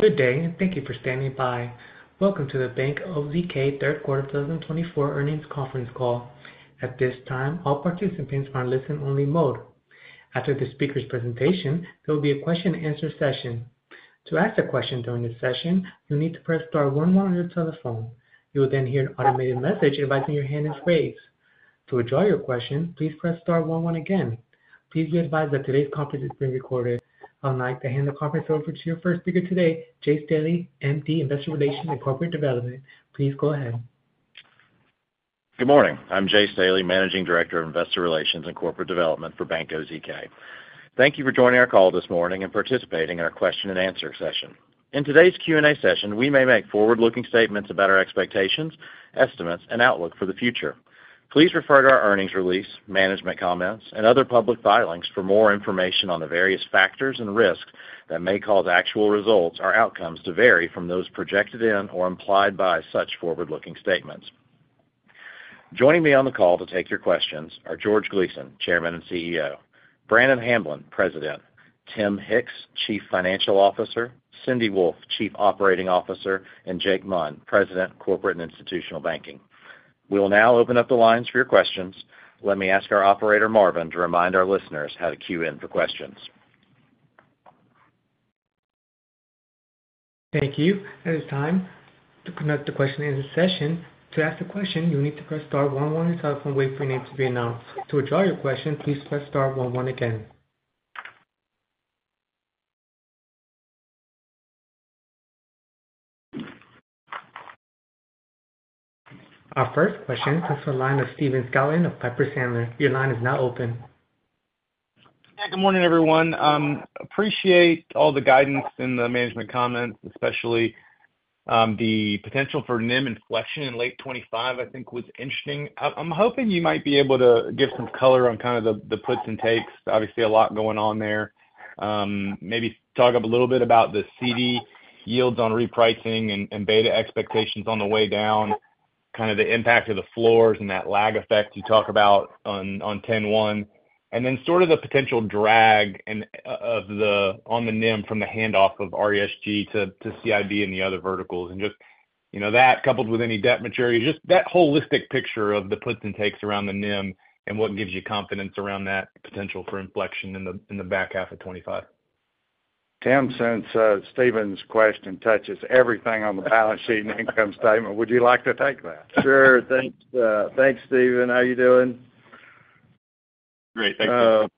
Good day, and thank you for standing by. Welcome to the Bank OZK third quarter two thousand twenty-four earnings conference call. At this time, all participants are in listen-only mode. After the speaker's presentation, there will be a question-and-answer session. To ask a question during this session, you'll need to press star one on your telephone. You will then hear an automated message advising your hand is raised. To withdraw your question, please press star one one again. Please be advised that today's conference is being recorded. I'd like to hand the conference over to your first speaker today, Jay Staley, MD, Investor Relations and Corporate Development. Please go ahead. Good morning. I'm Jay Staley, Managing Director of Investor Relations and Corporate Development for Bank OZK. Thank you for joining our call this morning and participating in our question-and-answer session. In today's Q&A session, we may make forward-looking statements about our expectations, estimates, and outlook for the future. Please refer to our earnings release, management comments, and other public filings for more information on the various factors and risks that may cause actual results or outcomes to vary from those projected in or implied by such forward-looking statements. Joining me on the call to take your questions are George Gleason, Chairman and CEO, Brannon Hamblin, President, Tim Hicks, Chief Financial Officer, Cindy Wolfe, Chief Operating Officer, and Jake Munn, President, Corporate and Institutional Banking. We will now open up the lines for your questions. Let me ask our operator, Marvin, to remind our listeners how to queue in for questions. Thank you. It is time to conduct the question-and-answer session. To ask a question, you'll need to press star one one on your telephone. Wait for your name to be announced. To withdraw your question, please press star one one again. Our first question comes from the line of Stephen Scouten of Piper Sandler. Your line is now open. Hey, good morning, everyone. Appreciate all the guidance in the management comments, especially the potential for NIM inflection in late 2025, I think was interesting. I'm hoping you might be able to give some color on kind of the puts and takes. Obviously, a lot going on there. Maybe talk up a little bit about the CD yields on repricing and beta expectations on the way down, kind of the impact of the floors and that lag effect you talk about on ten one. And then sort of the potential drag on the NIM from the handoff of RESG to CIB and the other verticals. Just, you know, that coupled with any debt maturity, just that holistic picture of the puts and takes around the NIM and what gives you confidence around that potential for inflection in the back half of twenty-five? Tim, since Stephen's question touches everything on the balance sheet and income statement, would you like to take that? Sure. Thanks, Stephen. How are you doing? Great. Thank you.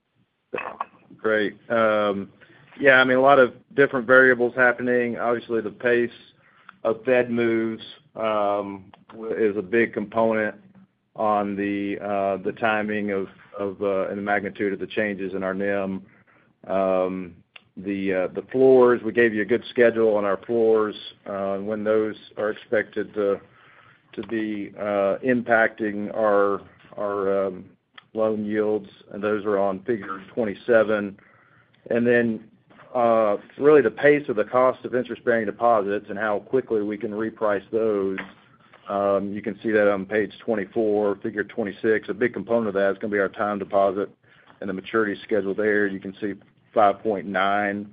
Great. Yeah, I mean, a lot of different variables happening. Obviously, the pace of Fed moves is a big component on the timing of and the magnitude of the changes in our NIM. The floors, we gave you a good schedule on our floors when those are expected to be impacting our loan yields, and those are on figure 27, and then really, the pace of the cost of interest-bearing deposits and how quickly we can reprice those, you can see that on page 24, figure 26. A big component of that is gonna be our time deposit and the maturity schedule there. You can see $5.9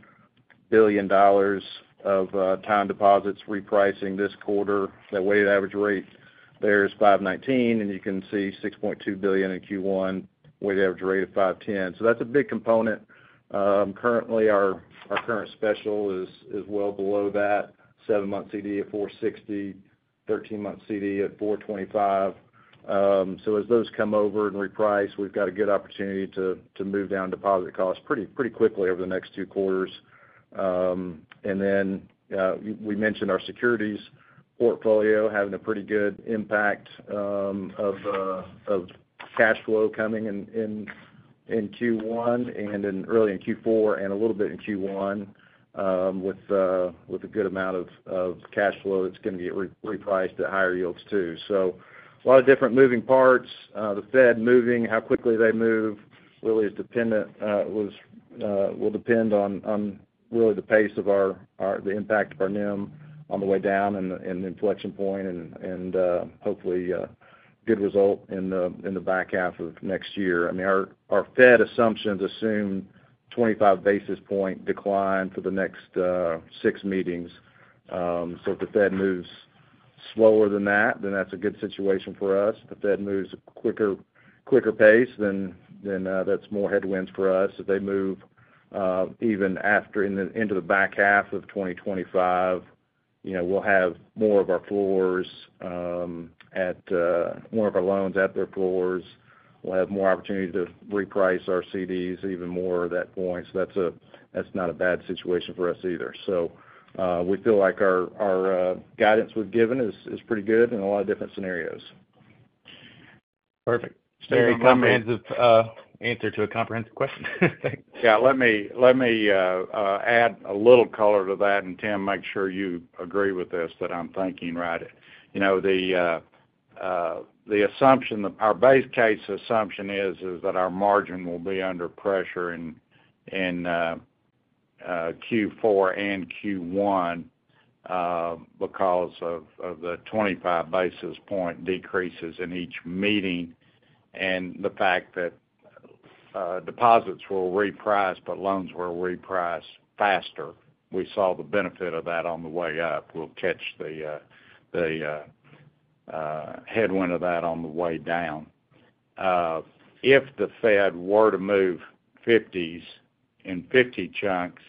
billion of time deposits repricing this quarter. That weighted average rate there is 5.19, and you can see $6.2 billion in Q1, weighted average rate of 5.10. So that's a big component. Currently, our current special is well below that 7-month CD at 4.60, 13-month CD at 4.25. So as those come over and reprice, we've got a good opportunity to move down deposit costs pretty quickly over the next two quarters. And then we mentioned our securities portfolio having a pretty good impact of cash flow coming in in Q1 and in early Q4 and a little bit in Q1, with a good amount of cash flow that's gonna be re-priced at higher yields, too. So a lot of different moving parts, the Fed moving, how quickly they move really is dependent, will depend on really the pace of our, the impact of our NIM on the way down and the inflection point and, hopefully, a good result in the back half of next year. I mean, our Fed assumptions assume 25 basis points decline for the next six meetings. So if the Fed moves slower than that, then that's a good situation for us. If the Fed moves a quicker pace, then that's more headwinds for us. If they move even later into the back half of 2025, you know, we'll have more of our floors at more of our loans at their floors. We'll have more opportunity to reprice our CDs even more at that point. So that's not a bad situation for us either. So we feel like our guidance we've given is pretty good in a lot of different scenarios. Perfect. Very comprehensive, answer to a comprehensive question. Thanks. Yeah, let me add a little color to that, and Tim, make sure you agree with this, that I'm thinking right. You know, the assumption, our base case assumption is that our margin will be under pressure in Q4 and Q1, because of the twenty-five basis point decreases in each meeting and the fact that- deposits will reprice, but loans will reprice faster. We saw the benefit of that on the way up. We'll catch the headwind of that on the way down. If the Fed were to move fifties in fifty chunks,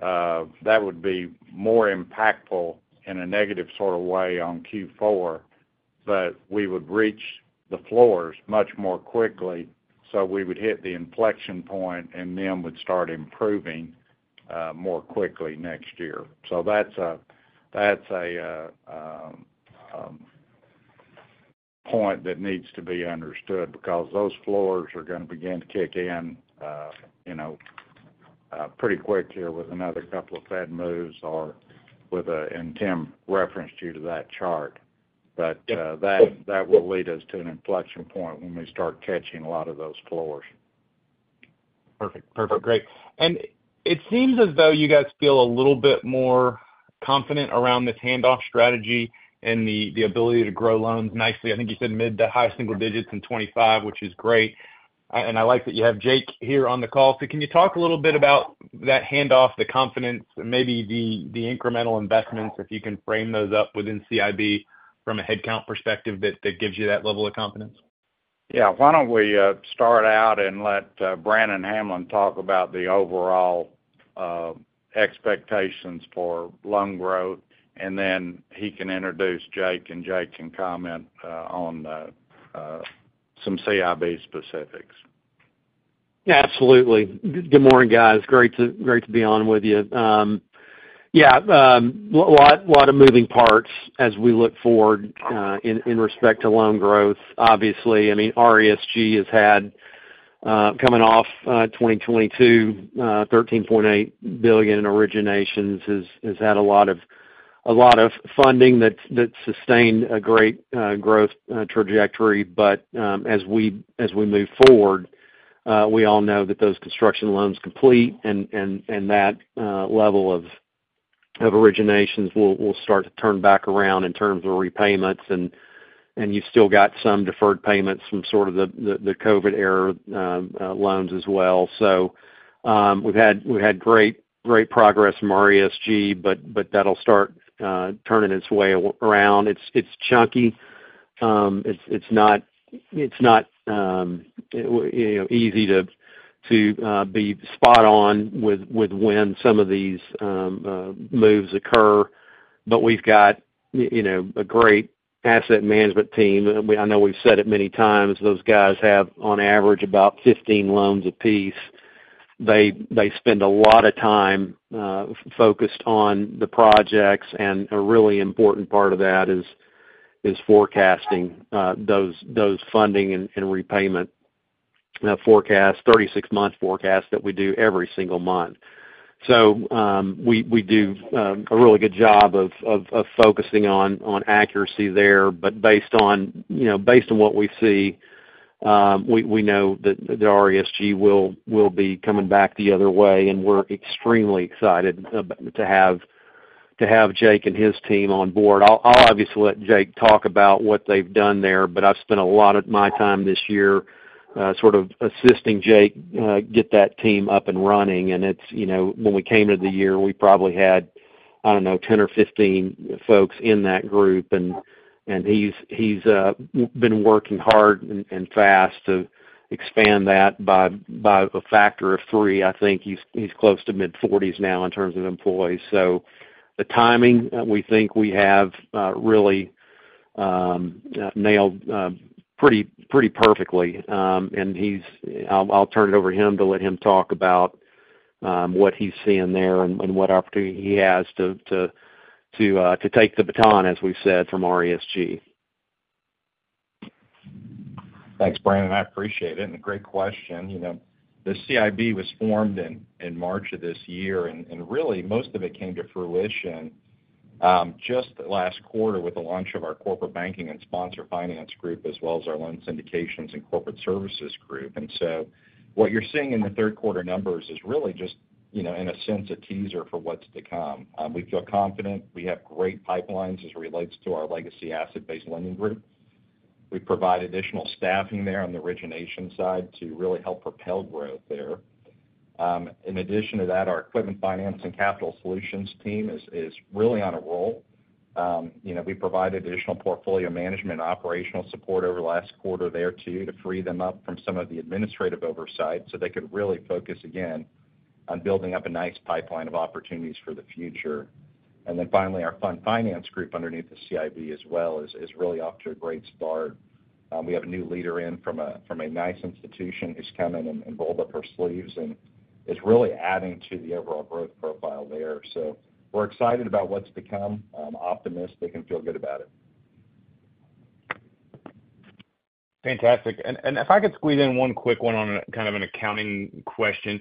that would be more impactful in a negative sort of way on Q4, but we would reach the floors much more quickly, so we would hit the inflection point, and then would start improving more quickly next year. So that's a point that needs to be understood, because those floors are going to begin to kick in, you know, pretty quick here with another couple of Fed moves, and Tim referenced you to that chart. But that will lead us to an inflection point when we start catching a lot of those floors. Perfect. Perfect. Great. And it seems as though you guys feel a little bit more confident around this handoff strategy and the ability to grow loans nicely. I think you said mid to high single digits in 2025, which is great. And I like that you have Jake here on the call. So can you talk a little bit about that handoff, the confidence, and maybe the incremental investments, if you can frame those up within CIB from a headcount perspective, that gives you that level of confidence? Yeah. Why don't we start out and let Brannon Hamblen talk about the overall expectations for loan growth, and then he can introduce Jake, and Jake can comment on some CIB specifics. Yeah, absolutely. Good morning, guys. Great to be on with you. Yeah, a lot of moving parts as we look forward in respect to loan growth. Obviously, I mean, RESG has had coming off 2022 $13.8 billion in originations, has had a lot of funding that sustained a great growth trajectory. But as we move forward, we all know that those construction loans complete and that level of originations will start to turn back around in terms of repayments, and you've still got some deferred payments from sort of the COVID era loans as well. We've had great progress from RESG, but that'll start turning its way around. It's chunky. It's not, you know, easy to be spot on with when some of these moves occur. But we've got, you know, a great asset management team. I know we've said it many times, those guys have, on average, about 15 loans apiece. They spend a lot of time focused on the projects, and a really important part of that is forecasting those funding and repayment forecast, 36-month forecast that we do every single month. So, we do a really good job of focusing on accuracy there. But based on, you know, based on what we see, we know that the RESG will be coming back the other way, and we're extremely excited to have Jake and his team on board. I'll obviously let Jake talk about what they've done there, but I've spent a lot of my time this year, sort of assisting Jake get that team up and running. And it's, you know, when we came into the year, we probably had, I don't know, 10 or 15 folks in that group. And he's been working hard and fast to expand that by a factor of three. I think he's close to mid-forties now in terms of employees. So the timing, we think we have really nailed pretty perfectly. And he's. I'll turn it over to him to let him talk about what he's seeing there and what opportunity he has to take the baton, as we've said, from RESG. Thanks, Brandon. I appreciate it, and a great question. You know, the CIB was formed in March of this year, and really, most of it came to fruition just last quarter with the launch of our Corporate Banking and Sponsor Finance group, as well as our Loan Syndications and Corporate Services group. And so what you're seeing in the third quarter numbers is really just, you know, in a sense, a teaser for what's to come. We feel confident. We have great pipelines as it relates to our legacy Asset-Based Lending group. We provide additional staffing there on the origination side to really help propel growth there. In addition to that, our Equipment Finance and Capital Solutions team is really on a roll. You know, we provided additional portfolio management and operational support over the last quarter there, too, to free them up from some of the administrative oversight, so they could really focus again on building up a nice pipeline of opportunities for the future. And then finally, our Fund Finance group underneath the CIB as well is really off to a great start. We have a new leader in from a nice institution, who's come in and rolled up her sleeves and is really adding to the overall growth profile there. So we're excited about what's to come, optimistic and feel good about it. Fantastic. And, and if I could squeeze in one quick one on a kind of an accounting question.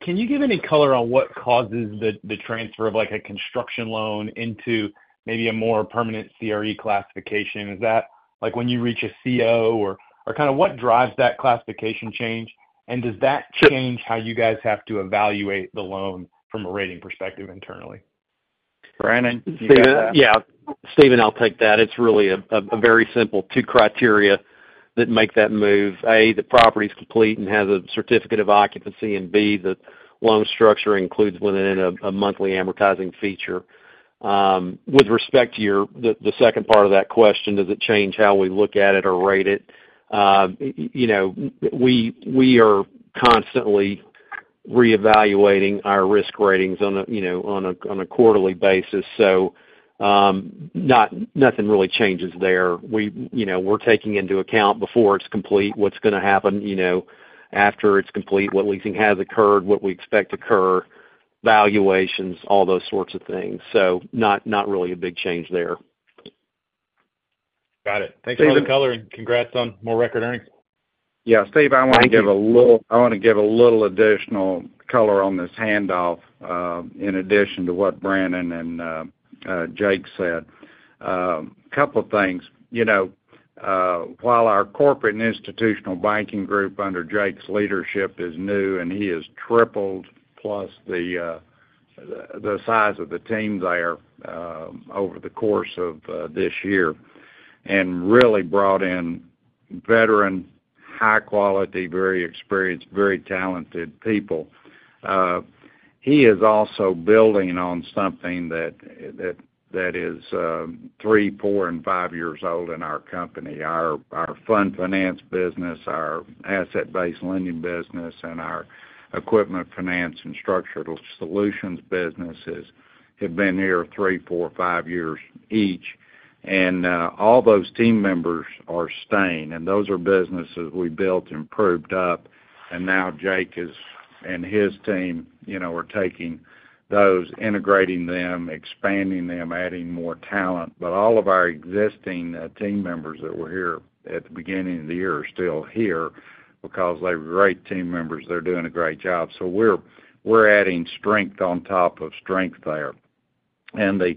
Can you give any color on what causes the, the transfer of, like, a construction loan into maybe a more permanent CRE classification? Is that, like, when you reach a CO or, or kind of what drives that classification change? And does that change how you guys have to evaluate the loan from a rating perspective internally? Brannon, do you got that? Yeah, Stephen, I'll take that. It's really a very simple two criteria that make that move. A, the property is complete and has a certificate of occupancy, and B, the loan structure includes within it a monthly amortizing feature. With respect to the second part of that question, does it change how we look at it or rate it? You know, we are constantly reevaluating our risk ratings on a quarterly basis, so nothing really changes there. We, you know, we're taking into account before it's complete, what's gonna happen, you know, after it's complete, what leasing has occurred, what we expect to occur, valuations, all those sorts of things. So not really a big change there. Got it. Thanks for all the color, and congrats on more record earnings. Yeah, Steve, I want to give a little additional color on this handoff, in addition to what Brannon and Jake said. A couple of things. You know, while our corporate and institutional banking group under Jake's leadership is new, and he has tripled plus the size of the team there, over the course of this year, and really brought in veteran, high quality, very experienced, very talented people. He is also building on something that is three, four, and five years old in our company. Our fund finance business, our asset-based lending business, and our equipment finance and capital solutions businesses have been here three, four, or five years each. And all those team members are staying, and those are businesses we built and proved up, and now Jake and his team, you know, are taking those, integrating them, expanding them, adding more talent. But all of our existing team members that were here at the beginning of the year are still here because they're great team members. They're doing a great job. So we're adding strength on top of strength there. And the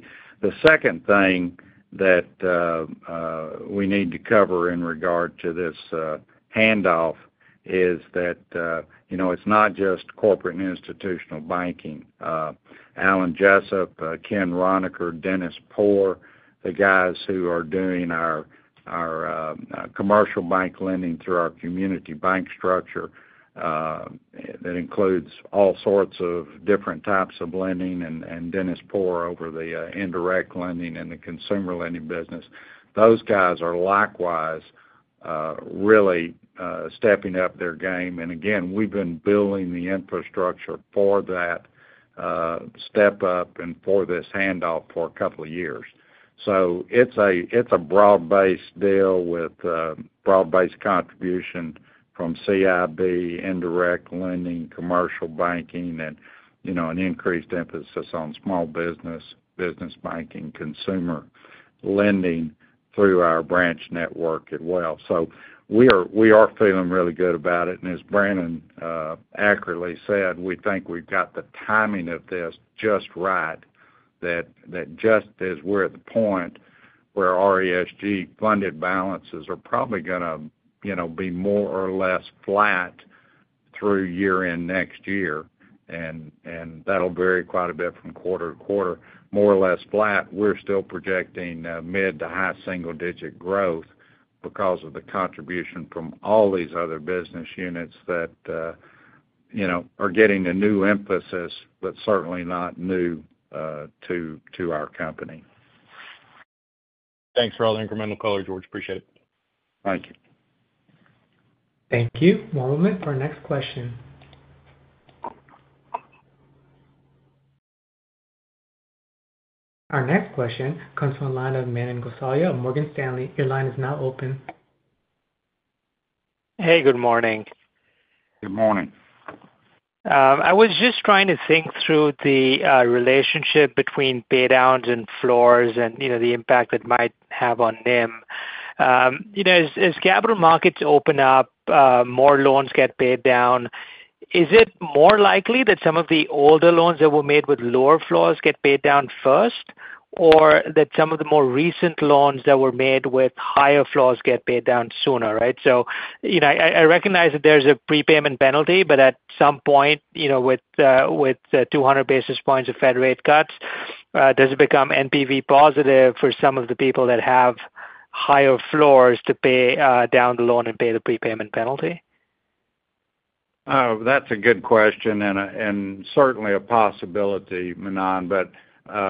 second thing that we need to cover in regard to this handoff is that, you know, it's not just corporate and institutional banking. Alan Jessup, Ken Roniker, Dennis Poor, the guys who are doing our commercial bank lending through our community bank structure, that includes all sorts of different types of lending, and Dennis Poor over the indirect lending and the consumer lending business. Those guys are likewise really stepping up their game. And again, we've been building the infrastructure for that step up and for this handoff for a couple of years. So it's a broad-based deal with broad-based contribution from CIB, indirect lending, commercial banking, and, you know, an increased emphasis on small business, business banking, consumer lending through our branch network as well. We are feeling really good about it, and as Brannon accurately said, we think we've got the timing of this just right, that just as we're at the point where RESG funded balances are probably gonna, you know, be more or less flat through year-end next year, and that'll vary quite a bit from quarter to quarter. More or less flat, we're still projecting mid to high single-digit growth because of the contribution from all these other business units that, you know, are getting a new emphasis, but certainly not new to our company. Thanks for all the incremental color, George. Appreciate it. Thank you. Thank you. One moment for our next question. Our next question comes from the line of Manan Gosalia of Morgan Stanley. Your line is now open. Hey, good morning. Good morning. I was just trying to think through the relationship between pay downs and floors and, you know, the impact it might have on NIM. You know, as capital markets open up, more loans get paid down, is it more likely that some of the older loans that were made with lower floors get paid down first, or that some of the more recent loans that were made with higher floors get paid down sooner, right? So, you know, I recognize that there's a prepayment penalty, but at some point, you know, with 200 basis points of Fed rate cuts, does it become NPV positive for some of the people that have higher floors to pay down the loan and pay the prepayment penalty? That's a good question and certainly a possibility, Manan. But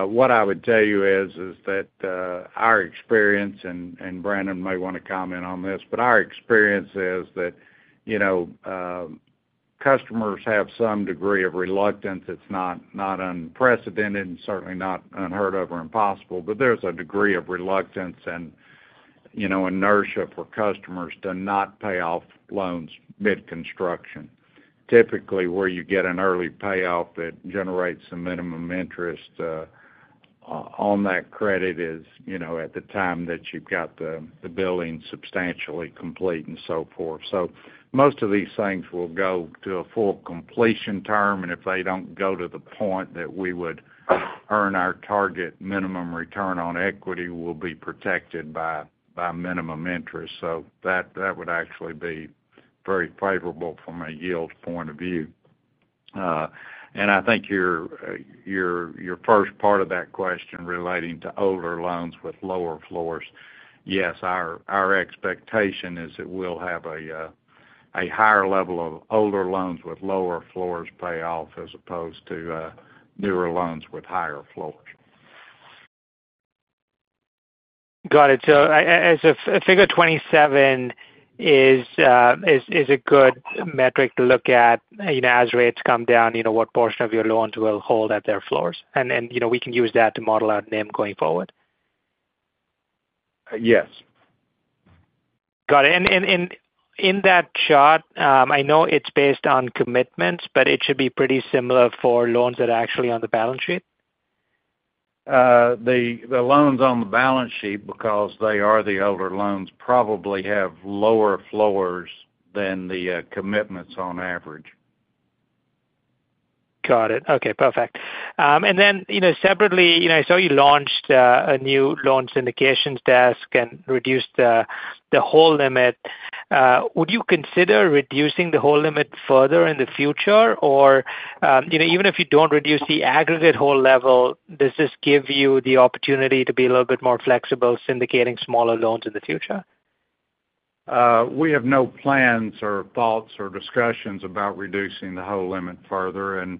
what I would tell you is that our experience, and Brannon may want to comment on this, but our experience is that, you know, customers have some degree of reluctance. It's not unprecedented and certainly not unheard of or impossible, but there's a degree of reluctance and, you know, inertia for customers to not pay off loans mid-construction. Typically, where you get an early payoff that generates some minimum interest on that credit is, you know, at the time that you've got the building substantially complete and so forth. So most of these things will go to a full completion term, and if they don't go to the point that we would earn our target minimum return on equity, we'll be protected by minimum interest. So that would actually be very favorable from a yield point of view. And I think your first part of that question relating to older loans with lower floors. Yes, our expectation is that we'll have a higher level of older loans with lower floors pay off as opposed to newer loans with higher floors. Got it. So as is, Figure 27 is a good metric to look at, you know, as rates come down, you know, what portion of your loans will hold at their floors? And you know, we can use that to model out NIM going forward. Yes. Got it. And in that chart, I know it's based on commitments, but it should be pretty similar for loans that are actually on the balance sheet? The loans on the balance sheet, because they are the older loans, probably have lower floors than the commitments on average. Got it. Okay, perfect. And then, you know, separately, you know, I saw you launched a new loan syndications desk and reduced the hold limit. Would you consider reducing the hold limit further in the future? Or, you know, even if you don't reduce the aggregate hold level, does this give you the opportunity to be a little bit more flexible syndicating smaller loans in the future? We have no plans or thoughts or discussions about reducing the whole limit further, and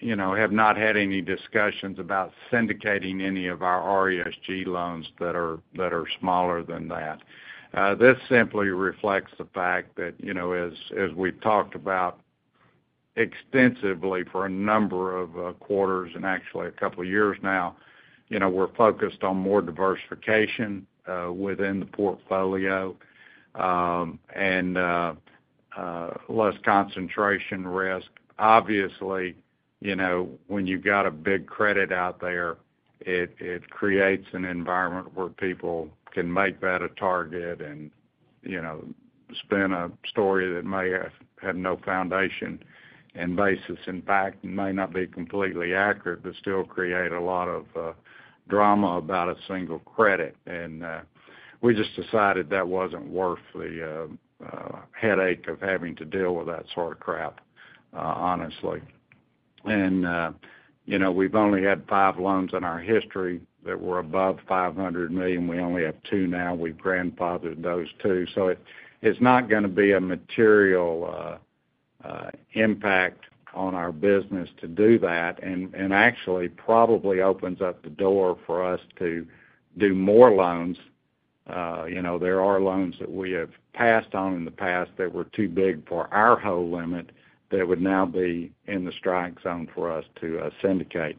you know, have not had any discussions about syndicating any of our RESG loans that are smaller than that. This simply reflects the fact that, you know, as we've talked about extensively for a number of quarters and actually a couple of years now, you know, we're focused on more diversification within the portfolio, and less concentration risk. Obviously, you know, when you've got a big credit out there, it creates an environment where people can make that a target and, you know, spin a story that may have had no foundation and basis, in fact, may not be completely accurate, but still create a lot of drama about a single credit. And we just decided that wasn't worth the headache of having to deal with that sort of crap, honestly. You know, we've only had five loans in our history that were above $500 million. We only have two now. We've grandfathered those two. It's not gonna be a material impact on our business to do that, and actually probably opens up the door for us to do more loans. You know, there are loans that we have passed on in the past that were too big for our whole limit, that would now be in the strike zone for us to syndicate.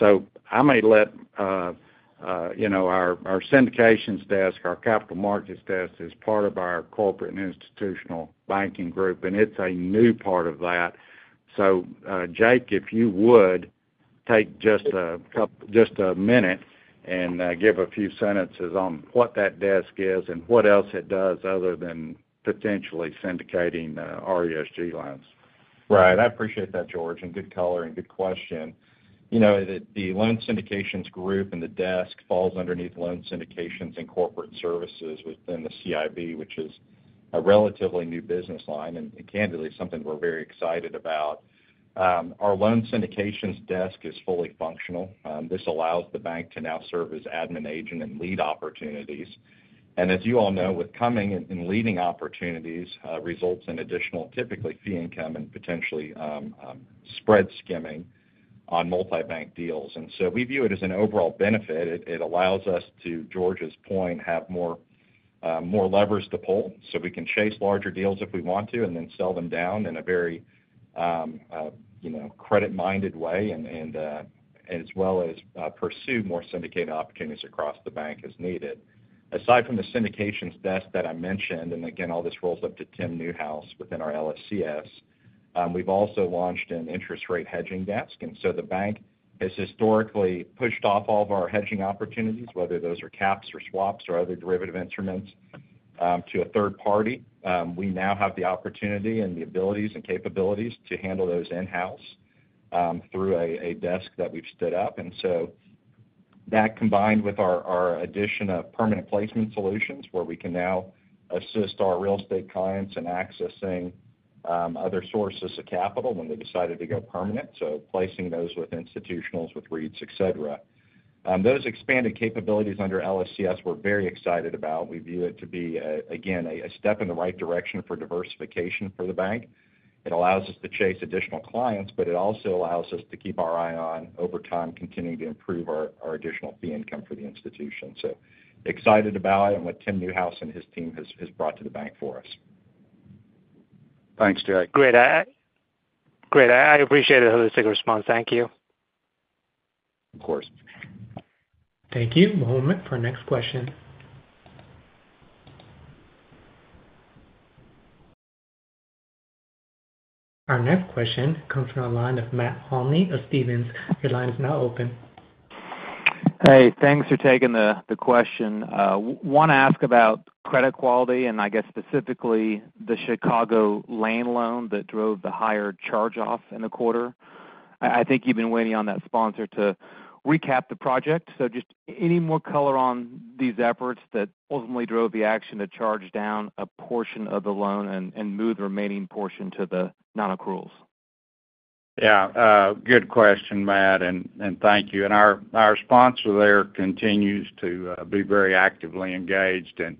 So I may let you know our syndications desk, our capital markets desk, is part of our Corporate and Institutional Banking group, and it's a new part of that. Jake, if you would, take just a minute and give a few sentences on what that desk is and what else it does other than potentially syndicating RESG loans. Right. I appreciate that, George, and good call, good question. You know, the loan syndications group and the desk falls underneath loan syndications and corporate services within the CIB, which is a relatively new business line, and candidly, something we're very excited about. Our loan syndications desk is fully functional. This allows the bank to now serve as admin agent and lead opportunities. And as you all know, with leading and participating opportunities, results in additional typically fee income and potentially, spread skimming on multi-bank deals. And so we view it as an overall benefit. It allows us to, George's point, have more levers to pull, so we can chase larger deals if we want to, and then sell them down in a very, you know, credit-minded way, as well as pursue more syndicated opportunities across the bank as needed. Aside from the syndications desk that I mentioned, and again, all this rolls up to Tim Newhouse within our LSCS, we've also launched an interest rate hedging desk. So the bank has historically pushed off all of our hedging opportunities, whether those are caps or swaps or other derivative instruments, to a third party. We now have the opportunity and the abilities and capabilities to handle those in-house, through a desk that we've stood up. That, combined with our addition of permanent placement solutions, where we can now assist our real estate clients in accessing other sources of capital when they decided to go permanent, so placing those with institutionals, with REITs, et cetera. Those expanded capabilities under LSCS, we're very excited about. We view it to be again a step in the right direction for diversification for the bank. It allows us to chase additional clients, but it also allows us to keep our eye on, over time, continuing to improve our additional fee income for the institution. Excited about it and what Tim Newhouse and his team has brought to the bank for us. Thanks, Jake. Great. I appreciate it, holistic response. Thank you. Of course. Thank you. One moment for our next question. Our next question comes from the line of Matt Olney of Stephens. Your line is now open. Hey, thanks for taking the question. Want to ask about credit quality, and I guess specifically the Chicagoland loan that drove the higher charge-off in the quarter. I think you've been waiting on that sponsor to recap the project. So just any more color on these efforts that ultimately drove the action to charge down a portion of the loan and move the remaining portion to the nonaccruals? Yeah, good question, Matt, and thank you, and our sponsor there continues to be very actively engaged, and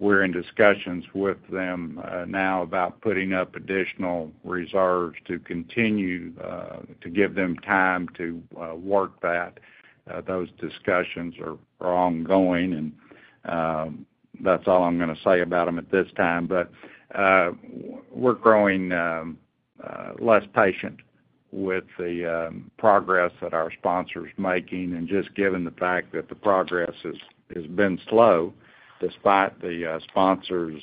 we're in discussions with them now about putting up additional reserves to continue to give them time to work that. Those discussions are ongoing, and that's all I'm gonna say about them at this time, but we're growing less patient with the progress that our sponsor is making, and just given the fact that the progress has been slow, despite the sponsor's,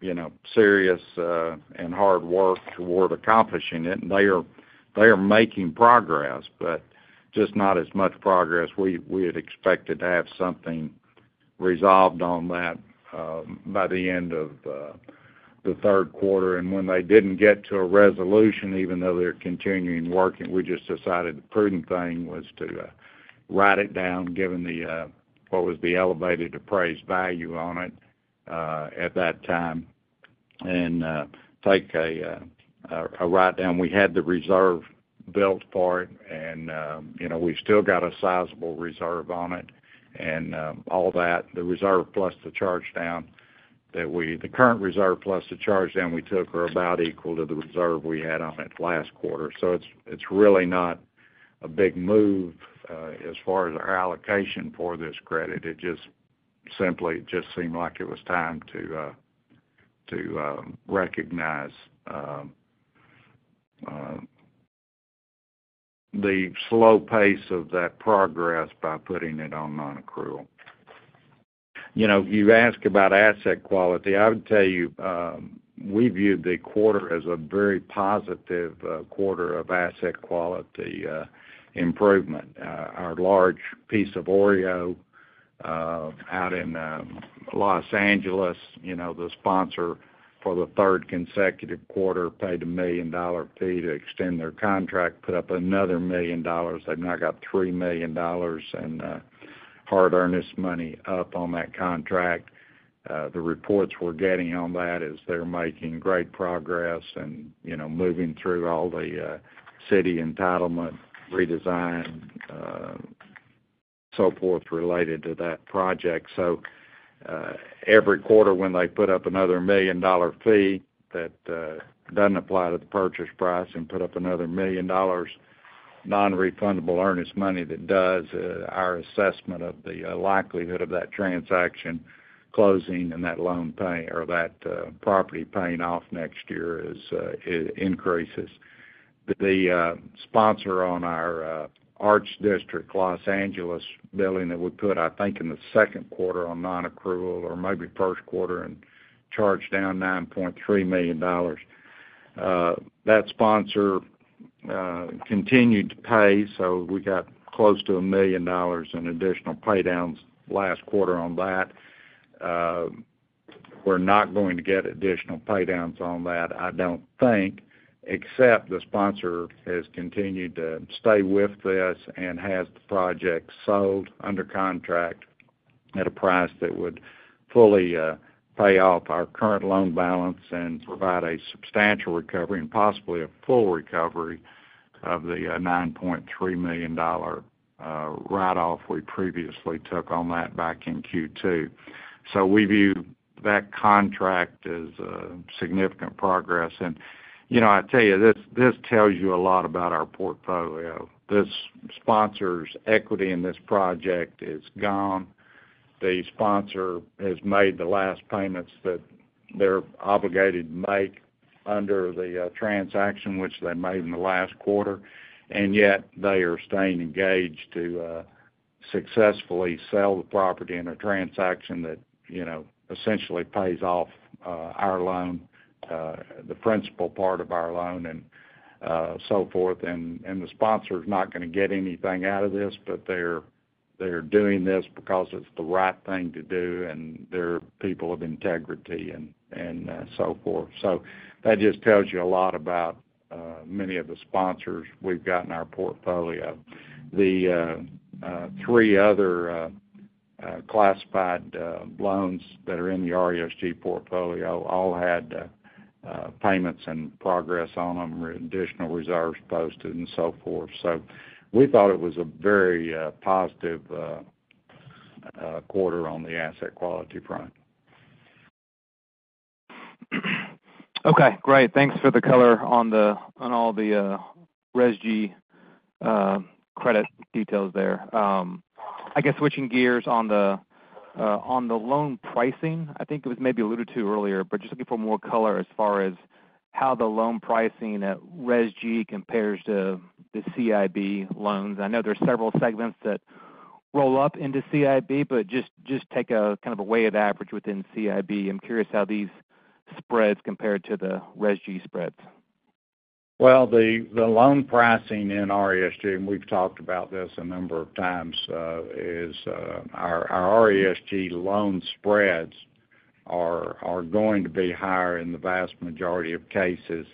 you know, serious and hard work toward accomplishing it, and they are making progress, but just not as much progress. We had expected to have something resolved on that by the end of the third quarter. When they didn't get to a resolution, even though they're continuing working, we just decided the prudent thing was to write it down, given the elevated appraised value on it at that time, and take a write-down. We had the reserve built for it, and you know, we've still got a sizable reserve on it. And all that, the current reserve plus the charge-down we took are about equal to the reserve we had on it last quarter. It's really not a big move as far as our allocation for this credit. It just simply seemed like it was time to recognize the slow pace of that progress by putting it on nonaccrual. You know, you ask about asset quality. I would tell you, we view the quarter as a very positive quarter of asset quality improvement. Our large piece of OREO out in Los Angeles, you know, the sponsor for the third consecutive quarter paid a $1 million fee to extend their contract, put up another $1 million. They've now got $3 million in hard earnest money up on that contract. The reports we're getting on that is they're making great progress and, you know, moving through all the city entitlement, redesign, so forth, related to that project. Every quarter, when they put up another million-dollar fee, that doesn't apply to the purchase price, and put up another $1 million nonrefundable earnest money that does, our assessment of the likelihood of that transaction closing and that loan paying or that property paying off next year is, it increases. The sponsor on our Arts District, Los Angeles building that we put, I think, in the second quarter on nonaccrual, or maybe first quarter, and charged down $9.3 million. That sponsor continued to pay, so we got close to $1 million in additional paydowns last quarter on that. We're not going to get additional paydowns on that, I don't think, except the sponsor has continued to stay with this and has the project sold under contract at a price that would fully pay off our current loan balance and provide a substantial recovery, and possibly a full recovery, of the $9.3 million write-off we previously took on that back in Q2. So we view that contract as significant progress. You know, I tell you, this tells you a lot about our portfolio. This sponsor's equity in this project is gone. The sponsor has made the last payments that they're obligated to make under the transaction, which they made in the last quarter, and yet they are staying engaged to successfully sell the property in a transaction that, you know, essentially pays off our loan, the principal part of our loan and so forth. And the sponsor is not gonna get anything out of this, but they're doing this because it's the right thing to do, and they're people of integrity and so forth. So that just tells you a lot about many of the sponsors we've got in our portfolio. The three other classified loans that are in the RESG portfolio all had payments and progress on them, or additional reserves posted and so forth. So we thought it was a very positive quarter on the asset quality front. Okay, great. Thanks for the color on all the RESG credit details there. I guess, switching gears on the loan pricing, I think it was maybe alluded to earlier, but just looking for more color as far as how the loan pricing at RESG compares to the CIB loans. I know there are several segments that roll up into CIB, but just take a kind of a weighted average within CIB. I'm curious how these spreads compare to the RESG spreads. The loan pricing in RESG, and we've talked about this a number of times, is our RESG loan spreads are going to be higher in the vast majority of cases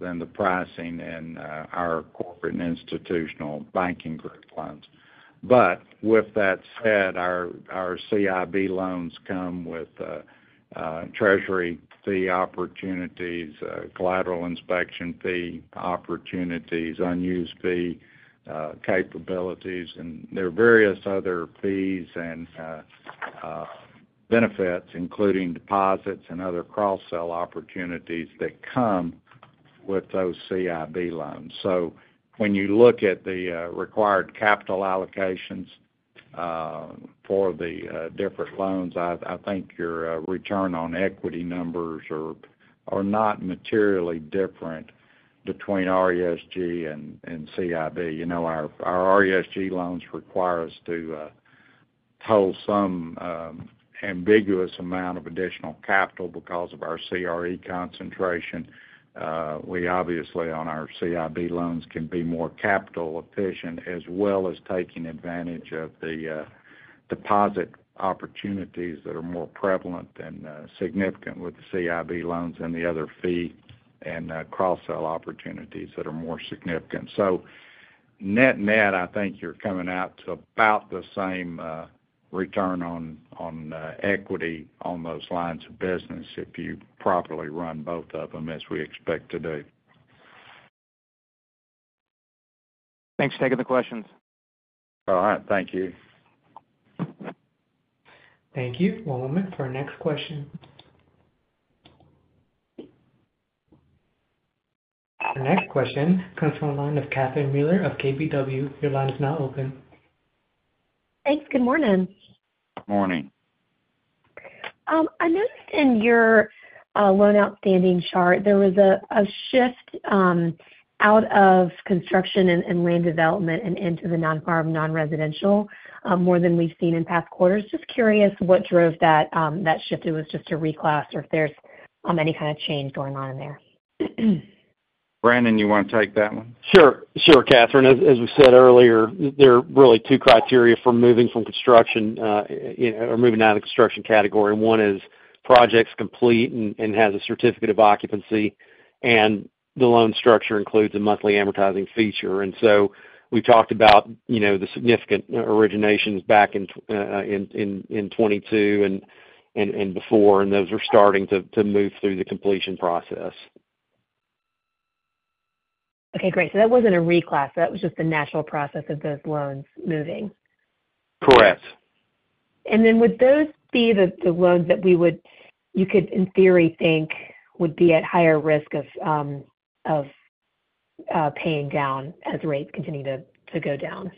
than the pricing in our Corporate and Institutional Banking Group loans. But with that said, our CIB loans come with treasury fee opportunities, collateral inspection fee opportunities, unused fee capabilities, and there are various other fees and benefits, including deposits and other cross-sell opportunities that come with those CIB loans. So when you look at the required capital allocations for the different loans, I think your return on equity numbers are not materially different between RESG and CIB. You know, our RESG loans require us to hold some ambiguous amount of additional capital because of our CRE concentration. We obviously, on our CIB loans, can be more capital efficient, as well as taking advantage of the deposit opportunities that are more prevalent and significant with the CIB loans and the other fee and cross-sell opportunities that are more significant. So net-net, I think you're coming out to about the same return on equity on those lines of business, if you properly run both of them as we expect to do. Thanks for taking the questions. All right. Thank you. Thank you. One moment for our next question. The next question comes from the line of Catherine Mealor of KBW. Your line is now open. Thanks. Good morning. Good morning. I noticed in your loan outstanding chart, there was a shift out of construction and land development and into the non-farm non-residential, more than we've seen in past quarters. Just curious, what drove that shift? It was just a reclass, or if there's any kind of change going on in there? Brannon, you want to take that one? Sure. Sure, Catherine. As we said earlier, there are really two criteria for moving from construction, you know, or moving out of the construction category. One is projects complete and has a certificate of occupancy, and the loan structure includes a monthly amortizing feature. And so we talked about, you know, the significant originations back in 2022 and before, and those are starting to move through the completion process. Okay, great. So that wasn't a reclass, that was just the natural process of those loans moving? Correct. And then would those be the loans that you could, in theory, think would be at higher risk of paying down as rates continue to go down?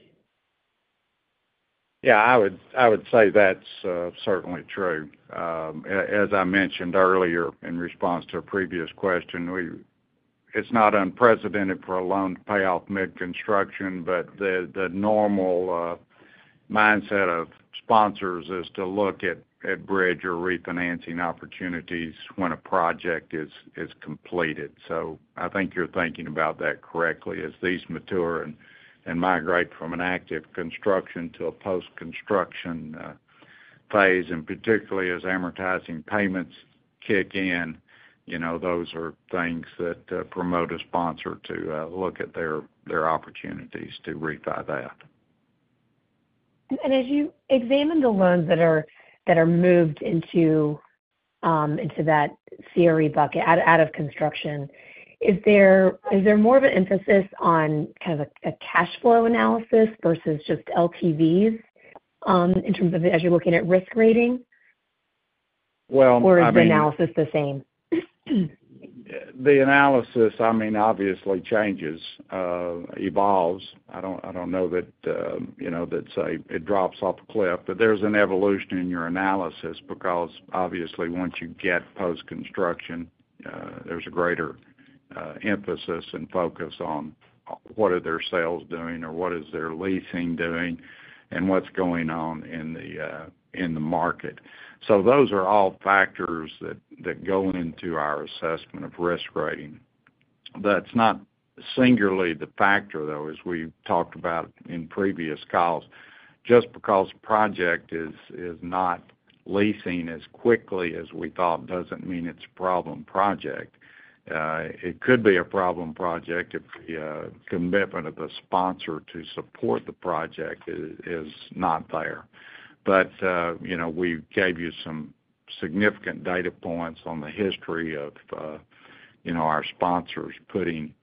Yeah, I would, I would say that's certainly true. As I mentioned earlier, in response to a previous question, it's not unprecedented for a loan to pay off mid-construction, but the normal mindset of sponsors is to look at bridge or refinancing opportunities when a project is completed. So I think you're thinking about that correctly. As these mature and migrate from an active construction to a post-construction phase, and particularly as amortizing payments kick in, you know, those are things that promote a sponsor to look at their opportunities to refi that. As you examine the loans that are moved into that CRE bucket, out of construction, is there more of an emphasis on kind of a cash flow analysis versus just LTVs, in terms of as you're looking at risk rating? Well, I mean- Or is the analysis the same? The analysis, I mean, obviously changes, evolves. I don't know that, you know, that, say, it drops off a cliff. But there's an evolution in your analysis, because obviously once you get post-construction, there's a greater, emphasis and focus on what are their sales doing, or what is their leasing doing, and what's going on in the, in the market. So those are all factors that go into our assessment of risk rating. That's not singularly the factor, though, as we've talked about in previous calls. Just because a project is not leasing as quickly as we thought, doesn't mean it's a problem project. It could be a problem project if the commitment of the sponsor to support the project is not there. But, you know, we gave you some significant data points on the history of, you know, our sponsors putting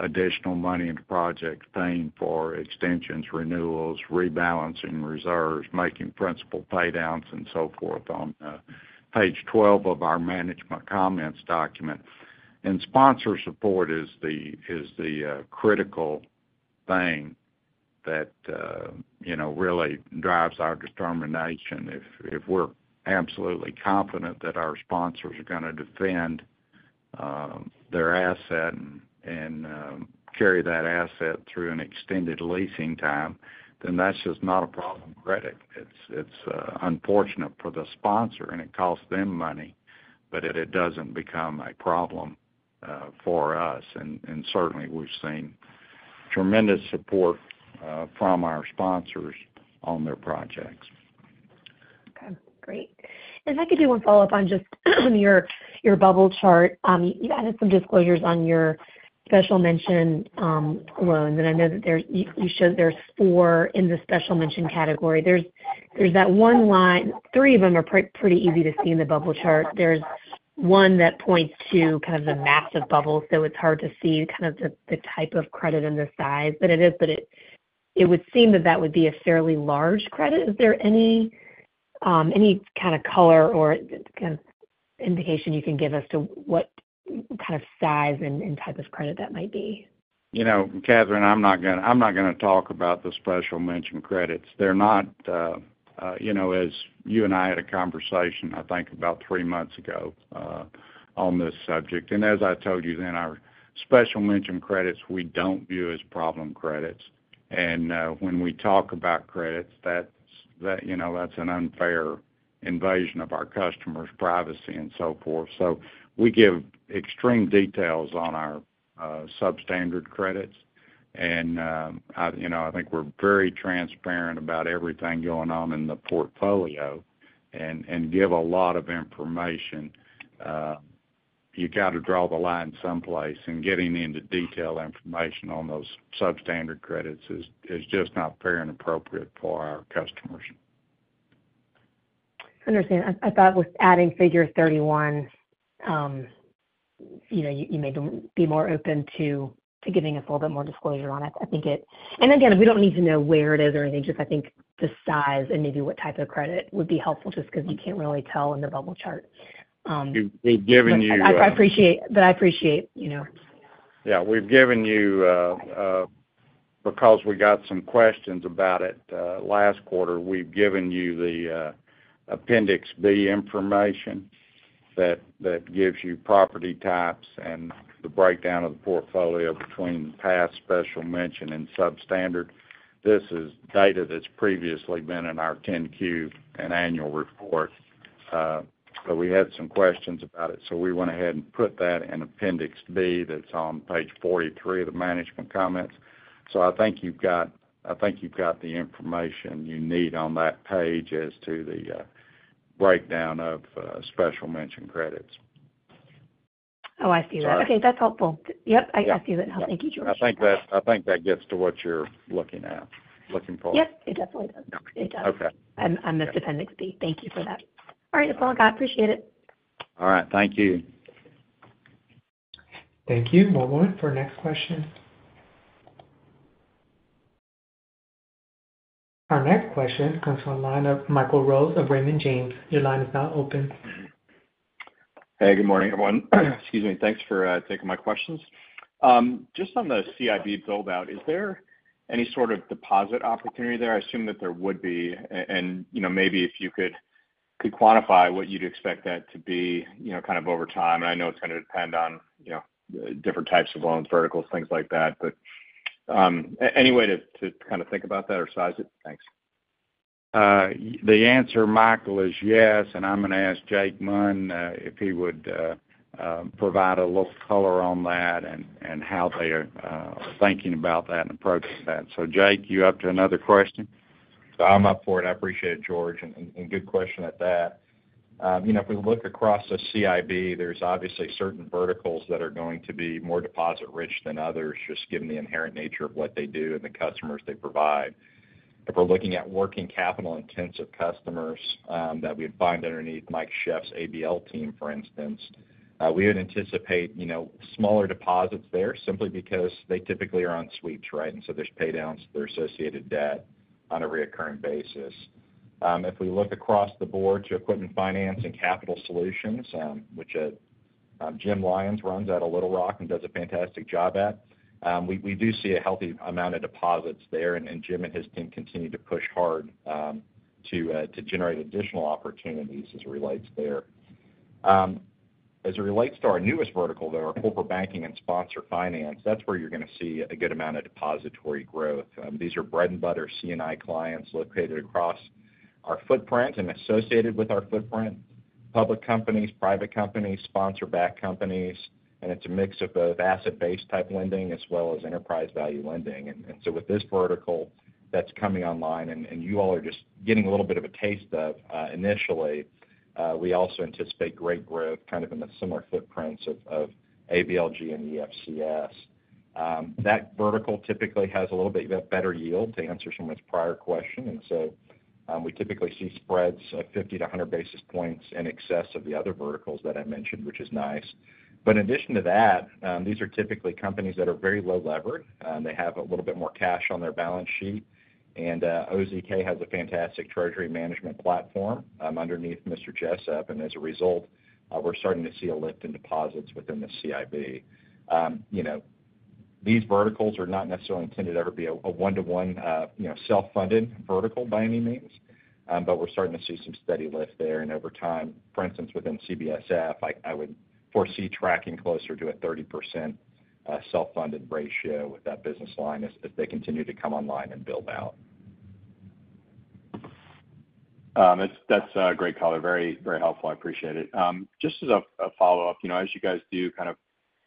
additional money into projects, paying for extensions, renewals, rebalancing reserves, making principal paydowns, and so forth, on page 12 of our management comments document. And sponsor support is the critical thing that, you know, really drives our determination. If we're absolutely confident that our sponsors are gonna defend their asset and carry that asset through an extended leasing time, then that's just not a problem credit. It's unfortunate for the sponsor, and it costs them money, but it doesn't become a problem for us, and certainly we've seen tremendous support from our sponsors on their projects. Okay, great. And if I could do one follow-up on just your bubble chart. You added some disclosures on your special mention loans, and I know that there you showed there's four in the special mention category. There's that one line- three of them are pretty easy to see in the bubble chart. There's one that points to kind of the massive bubble, so it's hard to see kind of the type of credit and the size. But it would seem that that would be a fairly large credit. Is there any kind of color or kind of indication you can give us to what kind of size and type of credit that might be? You know, Catherine, I'm not gonna talk about the special mention credits. They're not problem credits, you know, as you and I had a conversation, I think, about three months ago on this subject. And as I told you then, our special mention credits we don't view as problem credits. And when we talk about credits, you know, that's an unfair invasion of our customers' privacy and so forth. So we give extreme details on our substandard credits. And I you know, I think we're very transparent about everything going on in the portfolio and give a lot of information. You've got to draw the line someplace, and getting into detailed information on those substandard credits is just not fair and appropriate for our customers. I understand. I thought with adding figure thirty-one, you know, you may be more open to giving us a little bit more disclosure on it. I think it. And again, we don't need to know where it is or anything, just, I think the size and maybe what type of credit would be helpful, just because you can't really tell in the bubble chart. We've given you I appreciate, but you know. Yeah, we've given you, because we got some questions about it, last quarter, we've given you the Appendix B information that gives you property types and the breakdown of the portfolio between pass, special mention, and substandard. This is data that's previously been in our 10-Q and annual report. But we had some questions about it, so we went ahead and put that in Appendix B. That's on page 43 of the management comments. So I think you've got the information you need on that page as to the breakdown of special mention credits. Oh, I see that. All right. Okay, that's helpful. Yep, I see that now. Yeah. Thank you, George. I think that gets to what you're looking at, looking for. Yep, it definitely does. It does. Okay. I'll miss Appendix B. Thank you for that. All right, that's all I got. I appreciate it. All right. Thank you. Thank you. We'll wait for our next question. Our next question comes from the line of Michael Rose of Raymond James. Your line is now open. Hey, good morning, everyone. Excuse me. Thanks for taking my questions. Just on the CIB build-out, is there any sort of deposit opportunity there? I assume that there would be. And you know, maybe if you could quantify what you'd expect that to be, you know, kind of over time. And I know it's going to depend on, you know, different types of loans, verticals, things like that. But any way to kind of think about that or size it? Thanks. The answer, Michael, is yes, and I'm going to ask Jake Munn if he would provide a little color on that and how they are thinking about that and approaching that. So Jake, you up to another question? I'm up for it. I appreciate it, George, and good question at that. You know, if we look across the CIB, there's obviously certain verticals that are going to be more deposit rich than others, just given the inherent nature of what they do and the customers they provide. If we're looking at working capital-intensive customers that we'd find underneath Mike Scheff's ABL team, for instance, we would anticipate, you know, smaller deposits there simply because they typically are on sweeps, right? And so there's paydowns to their associated debt on a recurring basis. If we look across the board to equipment finance and capital solutions, which Jim Lyons runs out of Little Rock and does a fantastic job at, we do see a healthy amount of deposits there, and Jim and his team continue to push hard to generate additional opportunities as it relates there. As it relates to our newest vertical, though, our corporate banking and sponsor finance, that's where you're going to see a good amount of depository growth. These are bread and butter C&I clients located across our footprint and associated with our footprint, public companies, private companies, sponsor-backed companies, and it's a mix of both asset-based type lending as well as enterprise value lending. With this vertical that's coming online, you all are just getting a little bit of a taste of initially. We also anticipate great growth kind of in the similar footprints of ABLG and EFCS. That vertical typically has a little bit better yield to answer someone's prior question. We typically see spreads of 50-100 basis points in excess of the other verticals that I mentioned, which is nice. In addition to that, these are typically companies that are very low levered. They have a little bit more cash on their balance sheet, and OZK has a fantastic treasury management platform underneath Mr. Jessup. As a result, we're starting to see a lift in deposits within the CIB. You know, these verticals are not necessarily intended to ever be a one-to-one, you know, self-funded vertical by any means. But we're starting to see some steady lift there. And over time, for instance, within CBSF, I would foresee tracking closer to a 30% self-funded ratio with that business line as they continue to come online and build out.... That's a great color. Very, very helpful. I appreciate it. Just as a follow-up, you know, as you guys do kind of,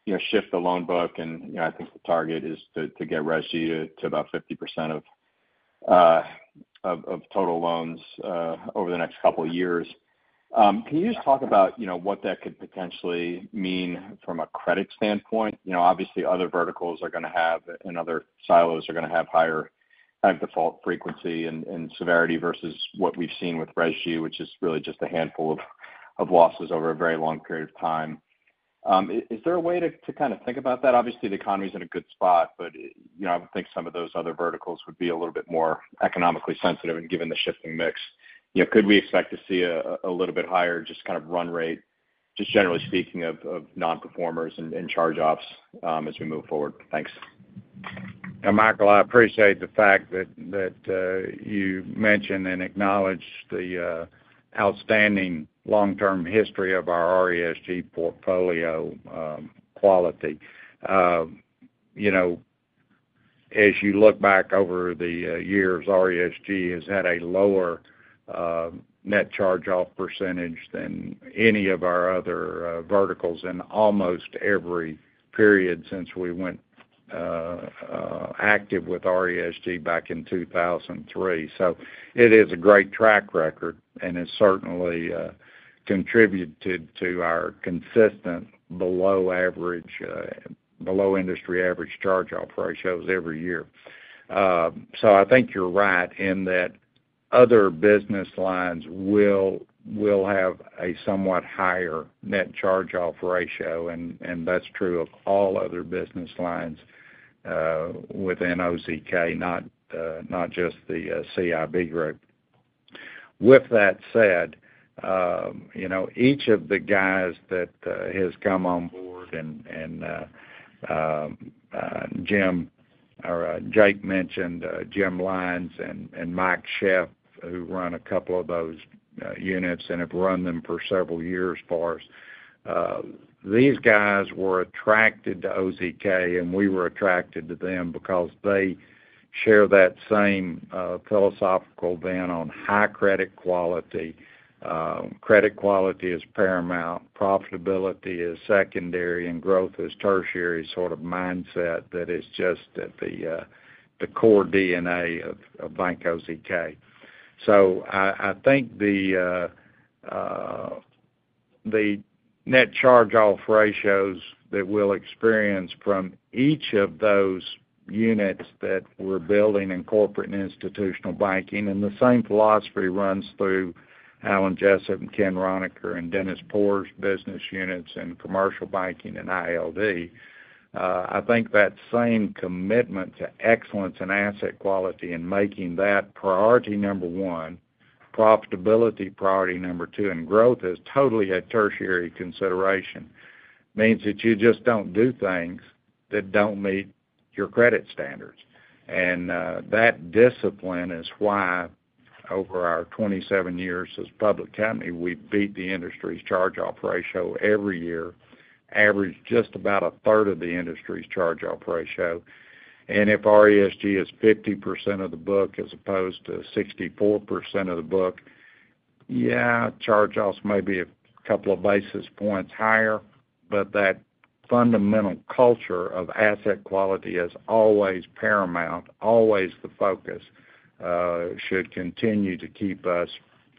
you know, shift the loan book, and, you know, I think the target is to get RESG to about 50% of total loans over the next couple of years. Can you just talk about, you know, what that could potentially mean from a credit standpoint? You know, obviously, other verticals are gonna have, and other silos are gonna have higher kind of default frequency and severity versus what we've seen with RESG, which is really just a handful of losses over a very long period of time. Is there a way to kind of think about that? Obviously, the economy is in a good spot, but, you know, I would think some of those other verticals would be a little bit more economically sensitive. And given the shifting mix, you know, could we expect to see a little bit higher, just kind of run rate, just generally speaking of nonperformers and charge-offs, as we move forward? Thanks. Yeah, Michael, I appreciate the fact that you mentioned and acknowledged the outstanding long-term history of our RESG portfolio quality. You know, as you look back over the years, RESG has had a lower net charge-off percentage than any of our other verticals in almost every period since we went active with RESG back in 2003. So it is a great track record, and it certainly contributed to our consistent below average below industry average charge-off ratios every year. So I think you're right in that other business lines will have a somewhat higher net charge-off ratio, and that's true of all other business lines within OZK, not just the CIB group. With that said, you know, each of the guys that has come on board and Jake mentioned, Jim Lyons and Mike Scheff, who run a couple of those units and have run them for several years for us. These guys were attracted to OZK, and we were attracted to them because they share that same philosophical bent on high credit quality. Credit quality is paramount, profitability is secondary, and growth is tertiary sort of mindset that is just at the core DNA of Bank OZK. I think the net charge-off ratios that we'll experience from each of those units that we're building in corporate and institutional banking, and the same philosophy runs through Alan Jessup and Ken Roniker and Dennis Poor's business units in commercial banking and ILD. I think that same commitment to excellence and asset quality and making that priority number one, profitability priority number two, and growth is totally a tertiary consideration, means that you just don't do things that don't meet your credit standards. That discipline is why, over our twenty-seven years as a public company, we've beat the industry's charge-off ratio every year, averaged just about a third of the industry's charge-off ratio. If RESG is 50% of the book, as opposed to 64% of the book, yeah, charge-offs may be a couple of basis points higher, but that fundamental culture of asset quality is always paramount, always the focus, should continue to keep us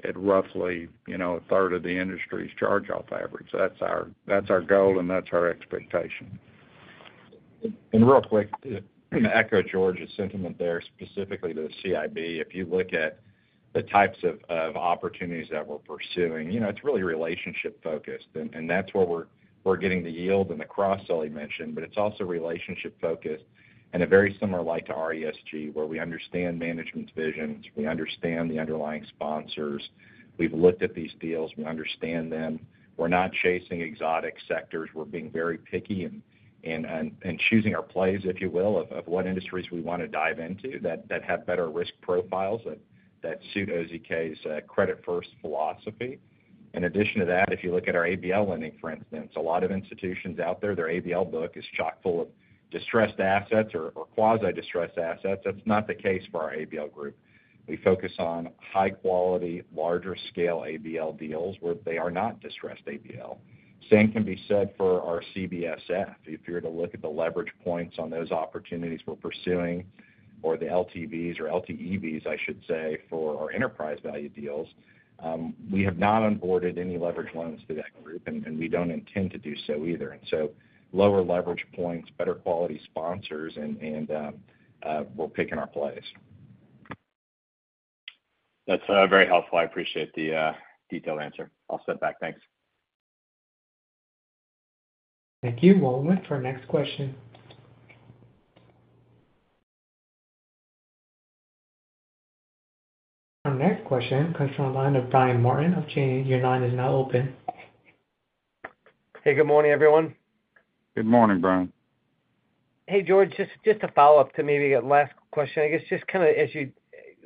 at roughly, you know, a third of the industry's charge-off average. That's our, that's our goal, and that's our expectation. Real quick, to echo George's sentiment there, specifically to the CIB. If you look at the types of opportunities that we're pursuing, you know, it's really relationship focused, and that's where we're getting the yield and the cross-sell he mentioned, but it's also relationship focused in a very similar light to RESG, where we understand management's visions, we understand the underlying sponsors. We've looked at these deals, we understand them. We're not chasing exotic sectors. We're being very picky and choosing our plays, if you will, of what industries we want to dive into, that have better risk profiles, that suit OZK's credit-first philosophy. In addition to that, if you look at our ABL lending, for instance, a lot of institutions out there, their ABL book is chock-full of distressed assets or quasi-distressed assets. That's not the case for our ABL group. We focus on high quality, larger scale ABL deals, where they are not distressed ABL. Same can be said for our CBSF. If you were to look at the leverage points on those opportunities we're pursuing, or the LTVs or LTEVs, I should say, for our enterprise value deals, we have not onboarded any leverage loans to that group, and we don't intend to do so either, and so lower leverage points, better quality sponsors, and we're picking our plays. That's very helpful. I appreciate the detailed answer. I'll step back. Thanks. Thank you. One moment for our next question. Our next question comes from the line of Brian Martin of Janney. Your line is now open. Hey, good morning, everyone. Good morning, Brian. Hey, George, just a follow-up to maybe a last question. I guess, just kind of as you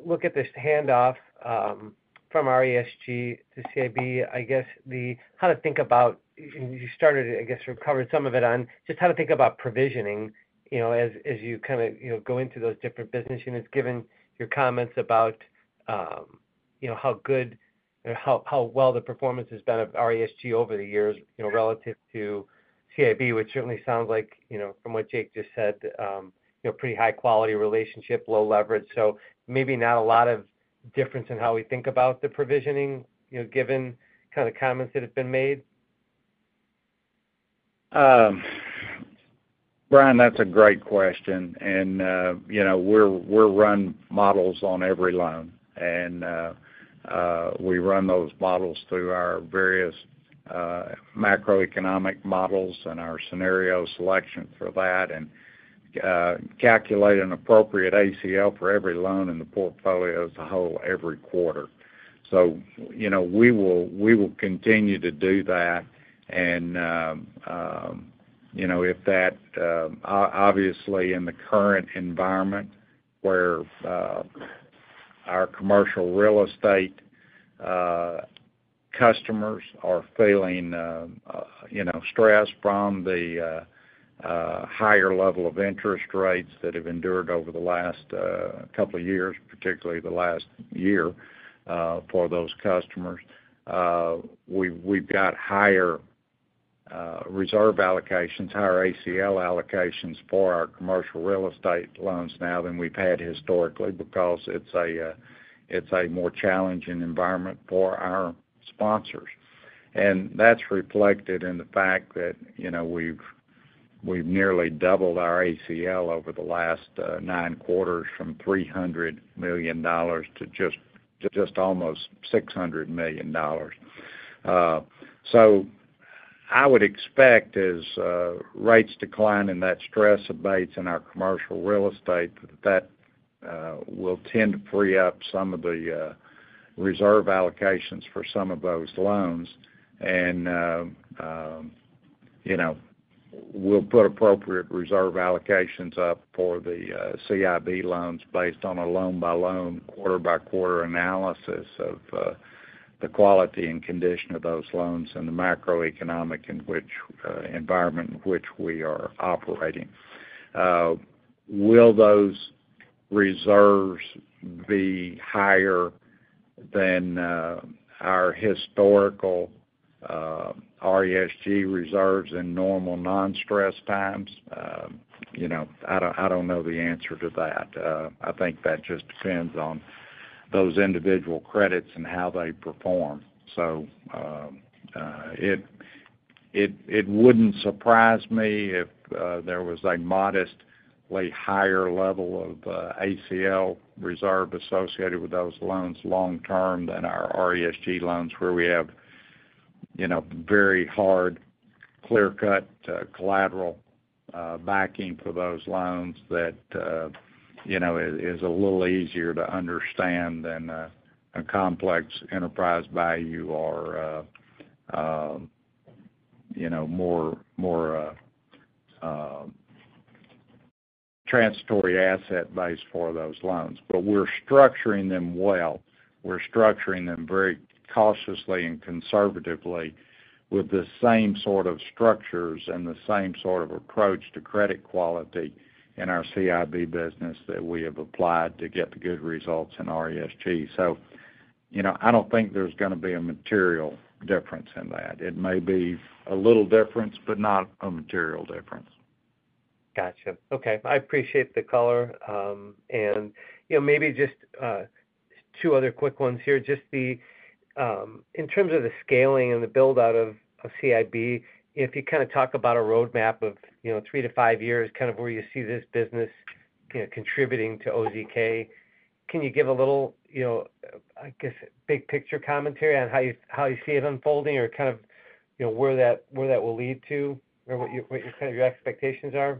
look at this handoff from RESG to CIB, I guess how to think about. You started, I guess, you've covered some of it on just how to think about provisioning, you know, as you kind of go into those different business units, given your comments about you know, how good or how well the performance has been of RESG over the years, you know, relative to CIB, which certainly sounds like, you know, from what Jake just said, you know, pretty high-quality relationship, low leverage. So maybe not a lot of difference in how we think about the provisioning, you know, given kind of comments that have been made? Brian, that's a great question, and you know, we'll run models on every loan, and we run those models through our various macroeconomic models and our scenario selection for that, and calculate an appropriate ACL for every loan in the portfolio as a whole every quarter, so you know, we will continue to do that. And, you know, if that obviously in the current environment where our commercial real estate customers are feeling, you know, stress from the higher level of interest rates that have endured over the last couple of years, particularly the last year, for those customers, we've got higher reserve allocations, higher ACL allocations for our commercial real estate loans now than we've had historically because it's a more challenging environment for our sponsors. And that's reflected in the fact that, you know, we've nearly doubled our ACL over the last nine quarters from $300 million to just almost $600 million. So I would expect as rates decline and that stress abates in our commercial real estate, that will tend to free up some of the reserve allocations for some of those loans. And you know, we'll put appropriate reserve allocations up for the CIB loans based on a loan-by-loan, quarter-by-quarter analysis of the quality and condition of those loans and the macroeconomic environment in which we are operating. Will those reserves be higher than our historical RESG reserves in normal non-stress times? You know, I don't know the answer to that. I think that just depends on those individual credits and how they perform. So, it wouldn't surprise me if there was a modestly higher level of ACL reserve associated with those loans long term than our RESG loans, where we have, you know, very hard, clear-cut, collateral, backing for those loans that, you know, is a little easier to understand than a complex enterprise value or, you know, more transitory asset base for those loans. But we're structuring them well. We're structuring them very cautiously and conservatively with the same sort of structures and the same sort of approach to credit quality in our CIB business that we have applied to get the good results in RESG. So, you know, I don't think there's gonna be a material difference in that. It may be a little difference, but not a material difference. Gotcha. Okay. I appreciate the color and, you know, maybe just two other quick ones here. Just in terms of the scaling and the build-out of CIB, if you kind of talk about a roadmap of, you know, three to five years, kind of where you see this business, you know, contributing to OZK, can you give a little, you know, I guess, big picture commentary on how you see it unfolding or kind of, you know, where that will lead to, or what your kind of expectations are?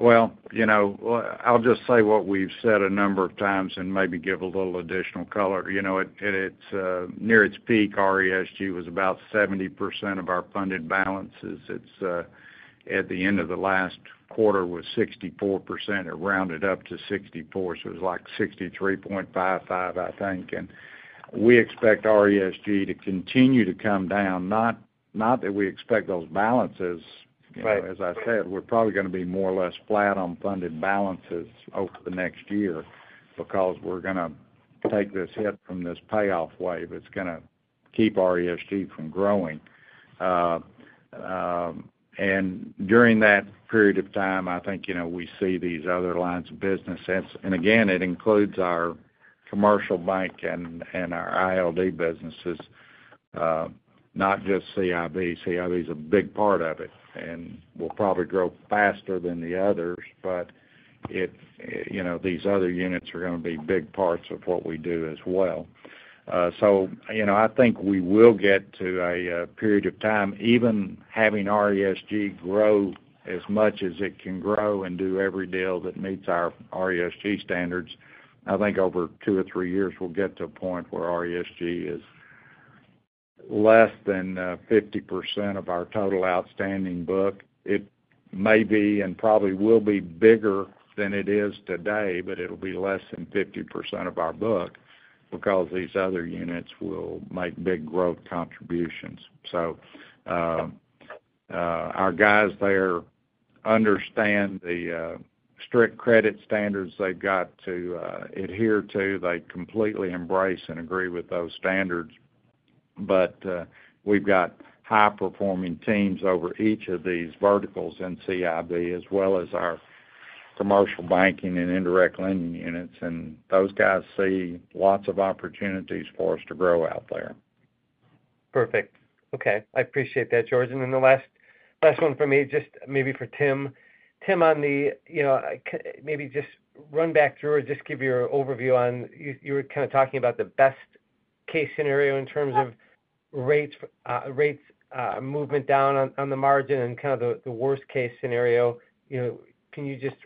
Well, you know, I'll just say what we've said a number of times and maybe give a little additional color. You know, at its peak, RESG was about 70% of our funded balances. It's at the end of the last quarter, was 64%, or rounded up to 64, so it was like 63.55, I think. And we expect RESG to continue to come down, not that we expect those balances. You know, as I said, we're probably gonna be more or less flat on funded balances over the next year because we're gonna take this hit from this payoff wave. It's gonna keep RESG from growing. And during that period of time, I think, you know, we see these other lines of business. And again, it includes our commercial bank and our ILD businesses, not just CIB. CIB is a big part of it and will probably grow faster than the others, but it, you know, these other units are gonna be big parts of what we do as well. So, you know, I think we will get to a period of time, even having RESG grow as much as it can grow and do every deal that meets our RESG standards. I think over two or three years, we'll get to a point where RESG is less than 50% of our total outstanding book. It may be, and probably will be, bigger than it is today, but it'll be less than 50% of our book because these other units will make big growth contributions, so our guys there understand the strict credit standards they've got to adhere to. They completely embrace and agree with those standards, but we've got high-performing teams over each of these verticals in CIB, as well as our commercial banking and indirect lending units, and those guys see lots of opportunities for us to grow out there. Perfect. Okay, I appreciate that, George. And then the last one for me, just maybe for Tim. Tim, on the, you know, maybe just run back through or just give your overview on, you were kind of talking about the best case scenario in terms of rates, rates, movement down on, on the margin and kind of the, the worst case scenario. You know, can you just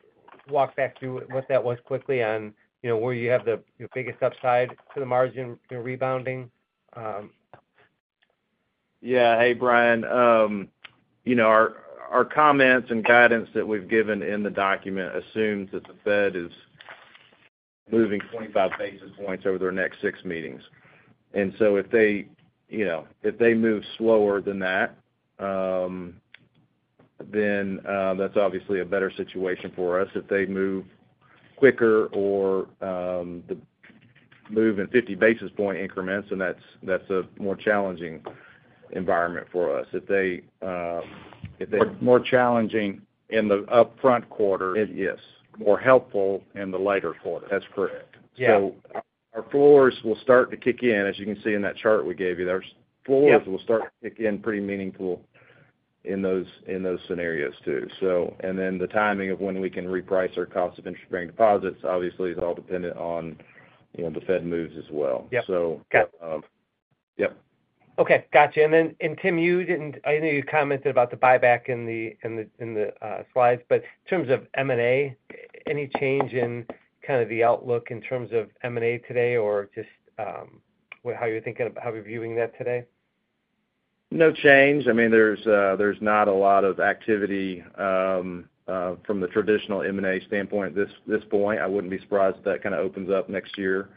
walk back through what that was quickly on, you know, where you have the, your biggest upside to the margin rebounding? Yeah. Hey, Brian. You know, our comments and guidance that we've given in the document assumes that the Fed is moving 25 basis points over their next six meetings. And so if they, you know, if they move slower than that, then that's obviously a better situation for us. If they move quicker or move in 50 basis point increments, then that's a more challenging environment for us. If they, if they- More challenging in the upfront quarter. It is. More helpful in the later quarters. That's correct. Yeah. So our floors will start to kick in, as you can see in that chart we gave you, those floors- Yep will start to kick in pretty meaningful in those scenarios, too. So, and then the timing of when we can reprice our cost of interest-bearing deposits obviously is all dependent on, you know, the Fed moves as well. Yep. So. Got it. Um, yep. Okay, gotcha. And then, Tim, you didn't, I know you commented about the buyback in the slides, but in terms of M&A, any change in kind of the outlook in terms of M&A today, or just how you're thinking, how you're viewing that today? No change. I mean, there's not a lot of activity from the traditional M&A standpoint at this point. I wouldn't be surprised if that kind of opens up next year.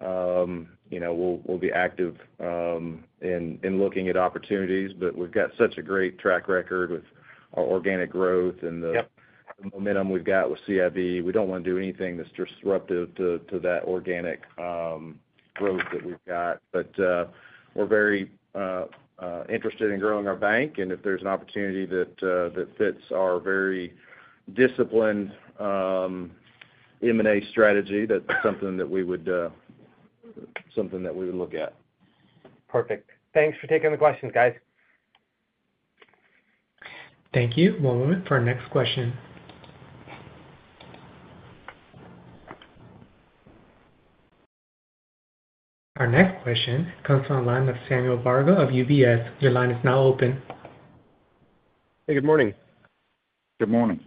You know, we'll be active in looking at opportunities, but we've got such a great track record with our organic growth and the- Yep - the momentum we've got with CIB. We don't want to do anything that's disruptive to that organic growth that we've got. But, we're very interested in growing our bank, and if there's an opportunity that fits our very disciplined M&A strategy, that's something that we would look at. Perfect. Thanks for taking the questions, guys. Thank you. One moment for our next question. Our next question comes on the line with Samuel Varga of UBS. Your line is now open. Hey, good morning. Good morning.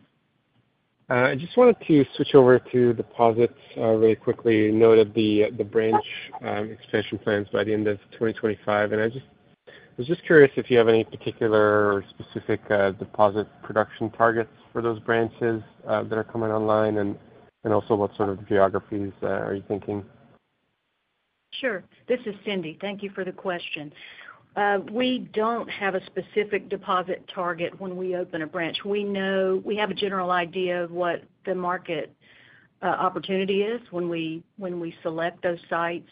I just wanted to switch over to deposits really quickly. Noted the branch expansion plans by the end of twenty twenty-five, and I was just curious if you have any particular or specific deposit production targets for those branches that are coming online, and also what sort of geographies are you thinking? Sure. This is Cindy. Thank you for the question. We don't have a specific deposit target when we open a branch. We know. We have a general idea of what the market opportunity is when we select those sites.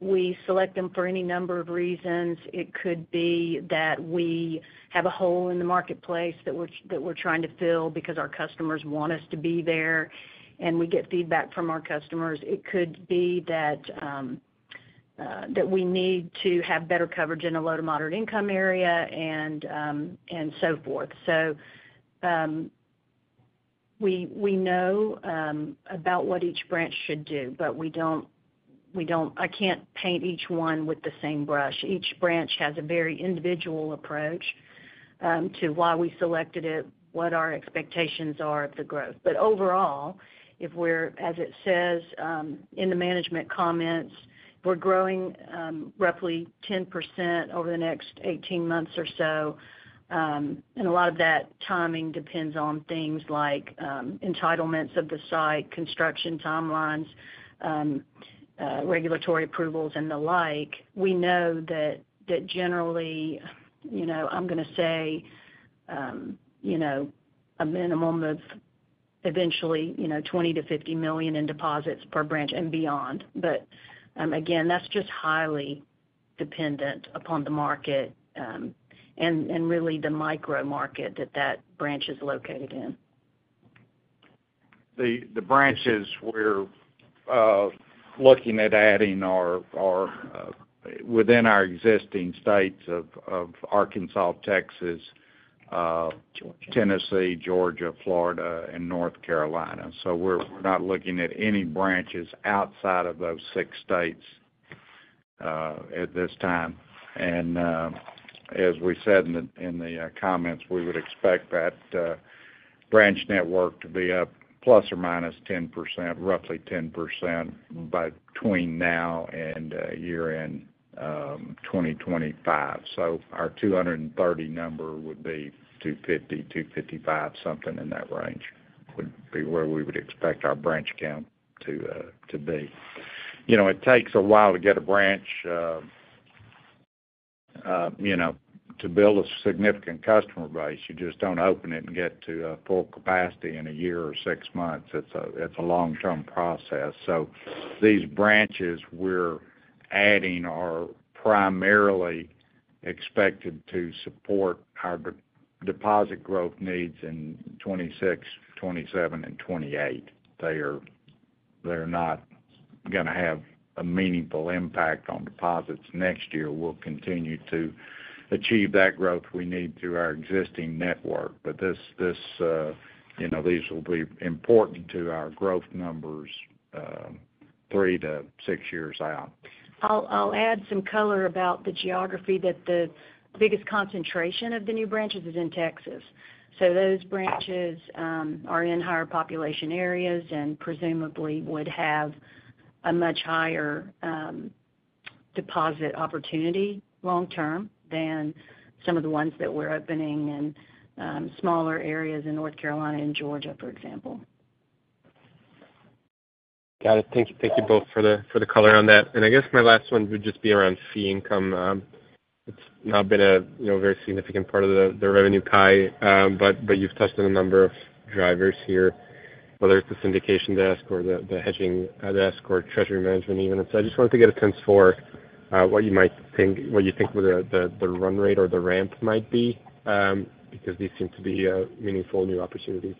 We select them for any number of reasons. It could be that we have a hole in the marketplace that we're trying to fill because our customers want us to be there, and we get feedback from our customers. It could be that we need to have better coverage in a low to moderate income area, and so forth. So, we know about what each branch should do, but we don't. I can't paint each one with the same brush. Each branch has a very individual approach to why we selected it, what our expectations are of the growth. But overall, if we're, as it says, in the management comments, we're growing roughly 10% over the next eighteen months or so. And a lot of that timing depends on things like entitlements of the site, construction timelines, regulatory approvals, and the like. We know that generally, you know, I'm gonna say, you know, a minimum of eventually, you know, $20 million-$50 million in deposits per branch and beyond. But again, that's just highly dependent upon the market and really the micro market that that branch is located in. The branches we're looking at adding are within our existing states of Arkansas, Texas. Georgia... Tennessee, Georgia, Florida, and North Carolina. So we're not looking at any branches outside of those six states at this time. And as we said in the comments, we would expect that branch network to be up plus or minus 10%, roughly 10% between now and year-end 2025. So our 230 number would be 250, 255, something in that range, would be where we would expect our branch count to be. You know, it takes a while to get a branch, you know, to build a significant customer base. You just don't open it and get to full capacity in a year or six months. It's a long-term process. So these branches we're adding are primarily expected to support our deposit growth needs in 2026, 2027, and 2028. They're not gonna have a meaningful impact on deposits next year. We'll continue to achieve that growth we need through our existing network. But this, you know, these will be important to our growth numbers, three to six years out. I'll add some color about the geography, that the biggest concentration of the new branches is in Texas. So those branches are in higher population areas and presumably would have a much higher deposit opportunity long term than some of the ones that we're opening in smaller areas in North Carolina and Georgia, for example. Got it. Thank you, thank you both for the color on that. I guess my last one would just be around fee income. It's not been, you know, very significant part of the revenue pie, but you've tested a number of drivers here, whether it's the syndication desk or the hedging desk or treasury management even. So I just wanted to get a sense for what you might think, what you think the run rate or the ramp might be, because these seem to be meaningful new opportunities.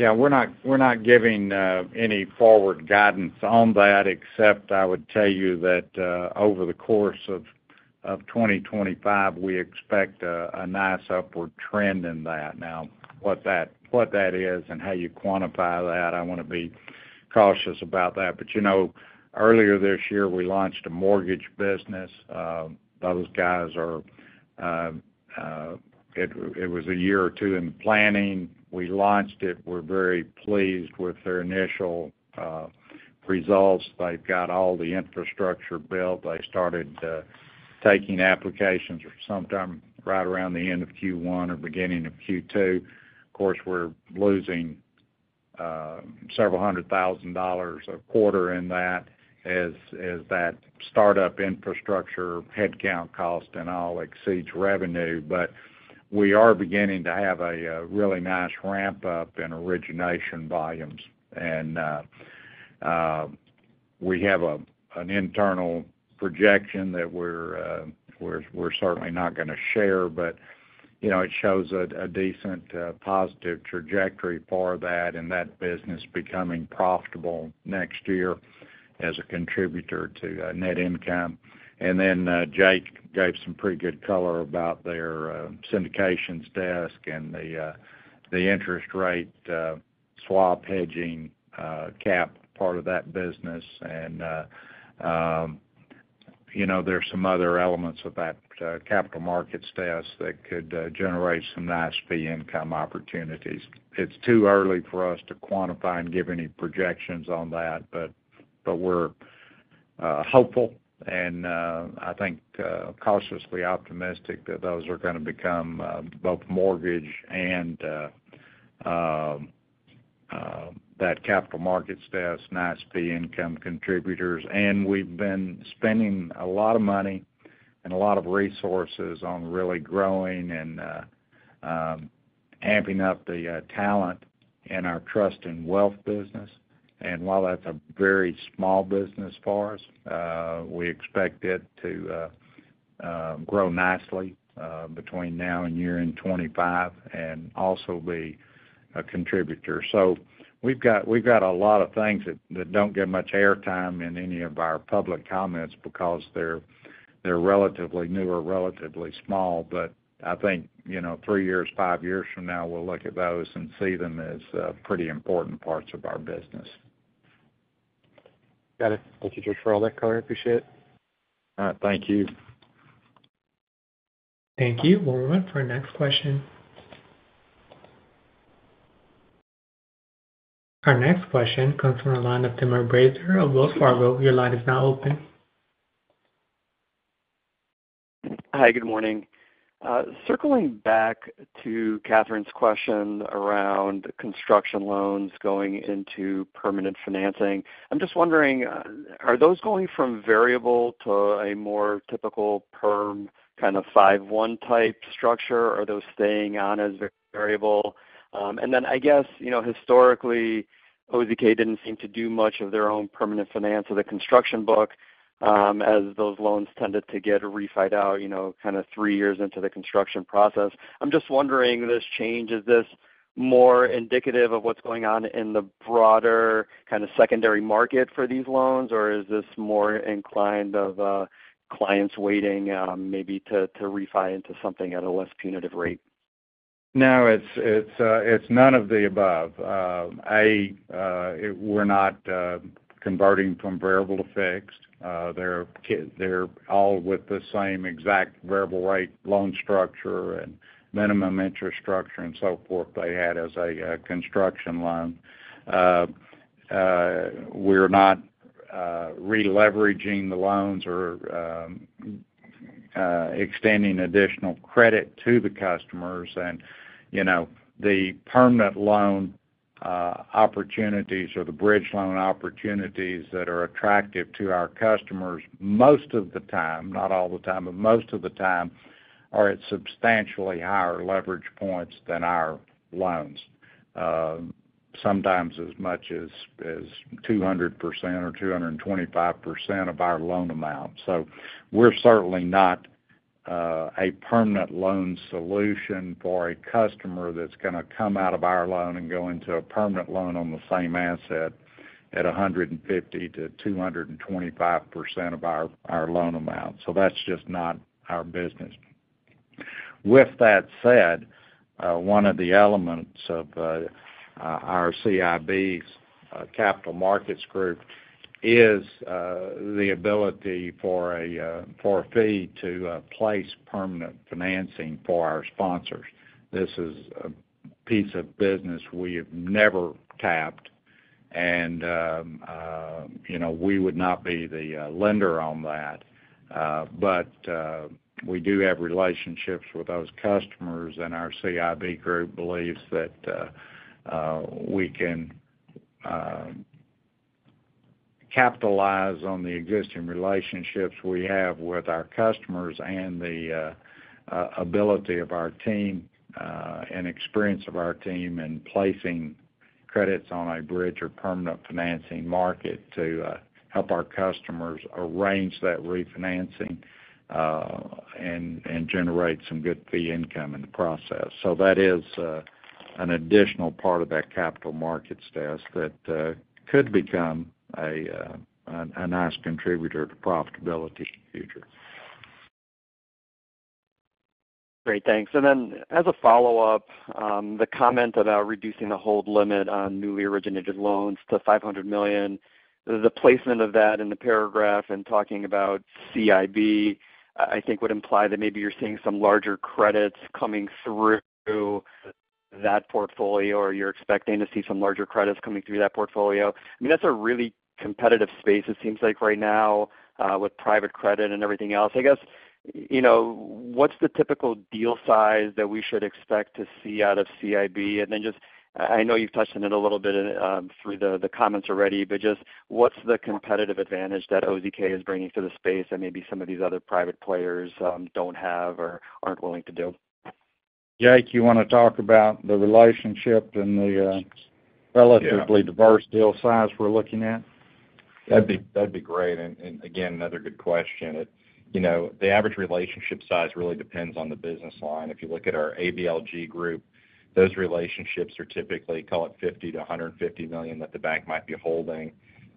Yeah, we're not giving any forward guidance on that, except I would tell you that over the course of twenty twenty-five, we expect a nice upward trend in that. Now, what that is and how you quantify that, I want to be cautious about that. But you know, earlier this year, we launched a mortgage business. Those guys are. It was a year or two in planning. We launched it. We're very pleased with their initial results. They've got all the infrastructure built. They started taking applications sometime right around the end of Q1 or beginning of Q2. Of course, we're losing several hundred thousand dollars a quarter in that as that startup infrastructure, headcount cost and all exceeds revenue. But we are beginning to have a really nice ramp-up in origination volumes. We have an internal projection that we're certainly not gonna share, but you know, it shows a decent positive trajectory for that and that business becoming profitable next year as a contributor to net income. Then, Jake gave some pretty good color about their syndications desk and the interest rate swap hedging cap part of that business. You know, there are some other elements of that capital markets desk that could generate some nice fee income opportunities. It's too early for us to quantify and give any projections on that, but we're hopeful, and I think cautiously optimistic that those are gonna become both mortgage and that capital markets desk nice fee income contributors. And we've been spending a lot of money and a lot of resources on really growing and amping up the talent in our trust and wealth business. And while that's a very small business for us, we expect it to grow nicely between now and year-end 2025, and also be a contributor. So we've got a lot of things that don't get much airtime in any of our public comments because they're relatively new or relatively small. But I think, you know, three years, five years from now, we'll look at those and see them as pretty important parts of our business. Got it. Thank you, George, for all that color. Appreciate it. All right. Thank you. Thank you. We'll move on for our next question. Our next question comes from the line of Timur Braziler of Wells Fargo. Your line is now open. Hi, good morning. Circling back to Catherine's question around construction loans going into permanent financing, I'm just wondering, are those going from variable to a more typical perm, kind of five-one type structure? Are those staying on as variable? And then I guess, you know, historically, OZK didn't seem to do much of their own permanent finance of the construction book, as those loans tended to get refi'd out, you know, kind of three years into the construction process. I'm just wondering, this change, is this more indicative of what's going on in the broader kind of secondary market for these loans? Or is this more indicative of clients waiting, maybe to refi into something at a less punitive rate? No, it's none of the above. We're not converting from variable to fixed. They're all with the same exact variable rate loan structure and minimum interest structure and so forth they had as a construction loan. We're not re-leveraging the loans or extending additional credit to the customers. And, you know, the permanent loan opportunities or the bridge loan opportunities that are attractive to our customers, most of the time, not all the time, but most of the time, are at substantially higher leverage points than our loans. Sometimes as much as 200% or 225% of our loan amount. So we're certainly not a permanent loan solution for a customer that's gonna come out of our loan and go into a permanent loan on the same asset at 150%-225% of our loan amount. So that's just not our business. With that said, one of the elements of our CIB's capital markets group is the ability for a fee to place permanent financing for our sponsors. This is a piece of business we have never tapped, and, you know, we would not be the lender on that. We do have relationships with those customers, and our CIB group believes that we can capitalize on the existing relationships we have with our customers and the ability of our team and experience of our team in placing credits on a bridge or permanent financing market to help our customers arrange that refinancing and generate some good fee income in the process. So that is an additional part of that capital markets desk that could become a nice contributor to profitability in the future. Great, thanks. And then as a follow-up, the comment about reducing the hold limit on newly originated loans to $500 million. The placement of that in the paragraph and talking about CIB, I think would imply that maybe you're seeing some larger credits coming through that portfolio, or you're expecting to see some larger credits coming through that portfolio. I mean, that's a really competitive space it seems like right now, with private credit and everything else. I guess, you know, what's the typical deal size that we should expect to see out of CIB? And then just, I know you've touched on it a little bit, through the comments already, but just what's the competitive advantage that OZK is bringing to the space that maybe some of these other private players don't have or aren't willing to do? Jake, you wanna talk about the relationship and the, Yeah... relatively diverse deal size we're looking at? That'd be great. And again, another good question. You know, the average relationship size really depends on the business line. If you look at our ABLG group, those relationships are typically, call it $50-$150 million, that the bank might be holding,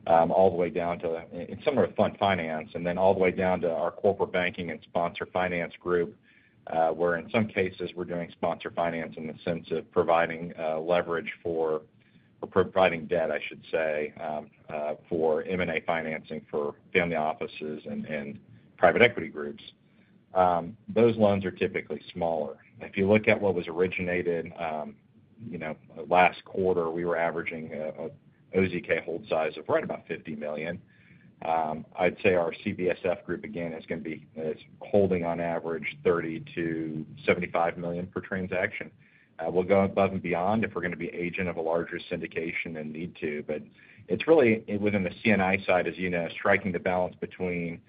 all the way down to, and some are fund finance, and then all the way down to our corporate banking and sponsor finance group, where in some cases, we're doing sponsor finance in the sense of providing leverage for, or providing debt, I should say, for M&A financing for family offices and private equity groups. Those loans are typically smaller. If you look at what was originated, you know, last quarter, we were averaging a OZK hold size of right about $50 million. I'd say our CBSF group, again, is gonna be, is holding on average $30 million-$75 million per transaction. We'll go above and beyond if we're gonna be agent of a larger syndication and need to. But it's really, within the C&I side, as you know, striking the balance between,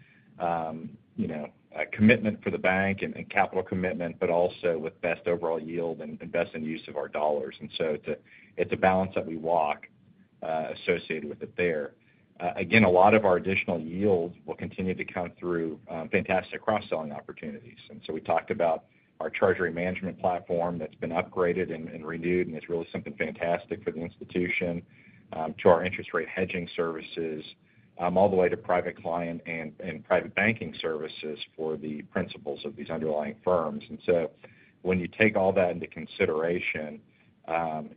you know, a commitment for the bank and, and capital commitment, but also with best overall yield and, and best in use of our dollars. So it's a, it's a balance that we walk associated with it there. Again, a lot of our additional yields will continue to come through fantastic cross-selling opportunities. And so we talked about our treasury management platform that's been upgraded and renewed, and it's really something fantastic for the institution to our interest rate hedging services all the way to private client and private banking services for the principals of these underlying firms. And so when you take all that into consideration,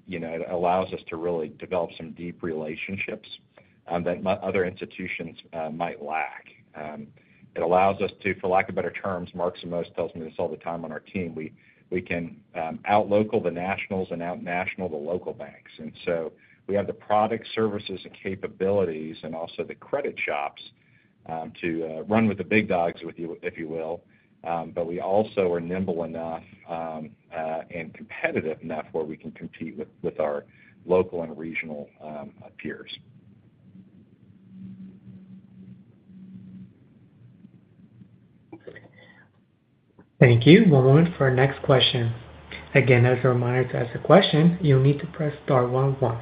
you know, it allows us to really develop some deep relationships that other institutions might lack. It allows us to, for lack of better terms, Mark Simos tells me this all the time on our team, we can out local the nationals and out national the local banks. And so we have the product, services, and capabilities, and also the credit chops to run with the big dogs with you, if you will. But we also are nimble enough, and competitive enough where we can compete with our local and regional peers. Thank you. One moment for our next question. Again, as a reminder, to ask a question, you'll need to press star one one.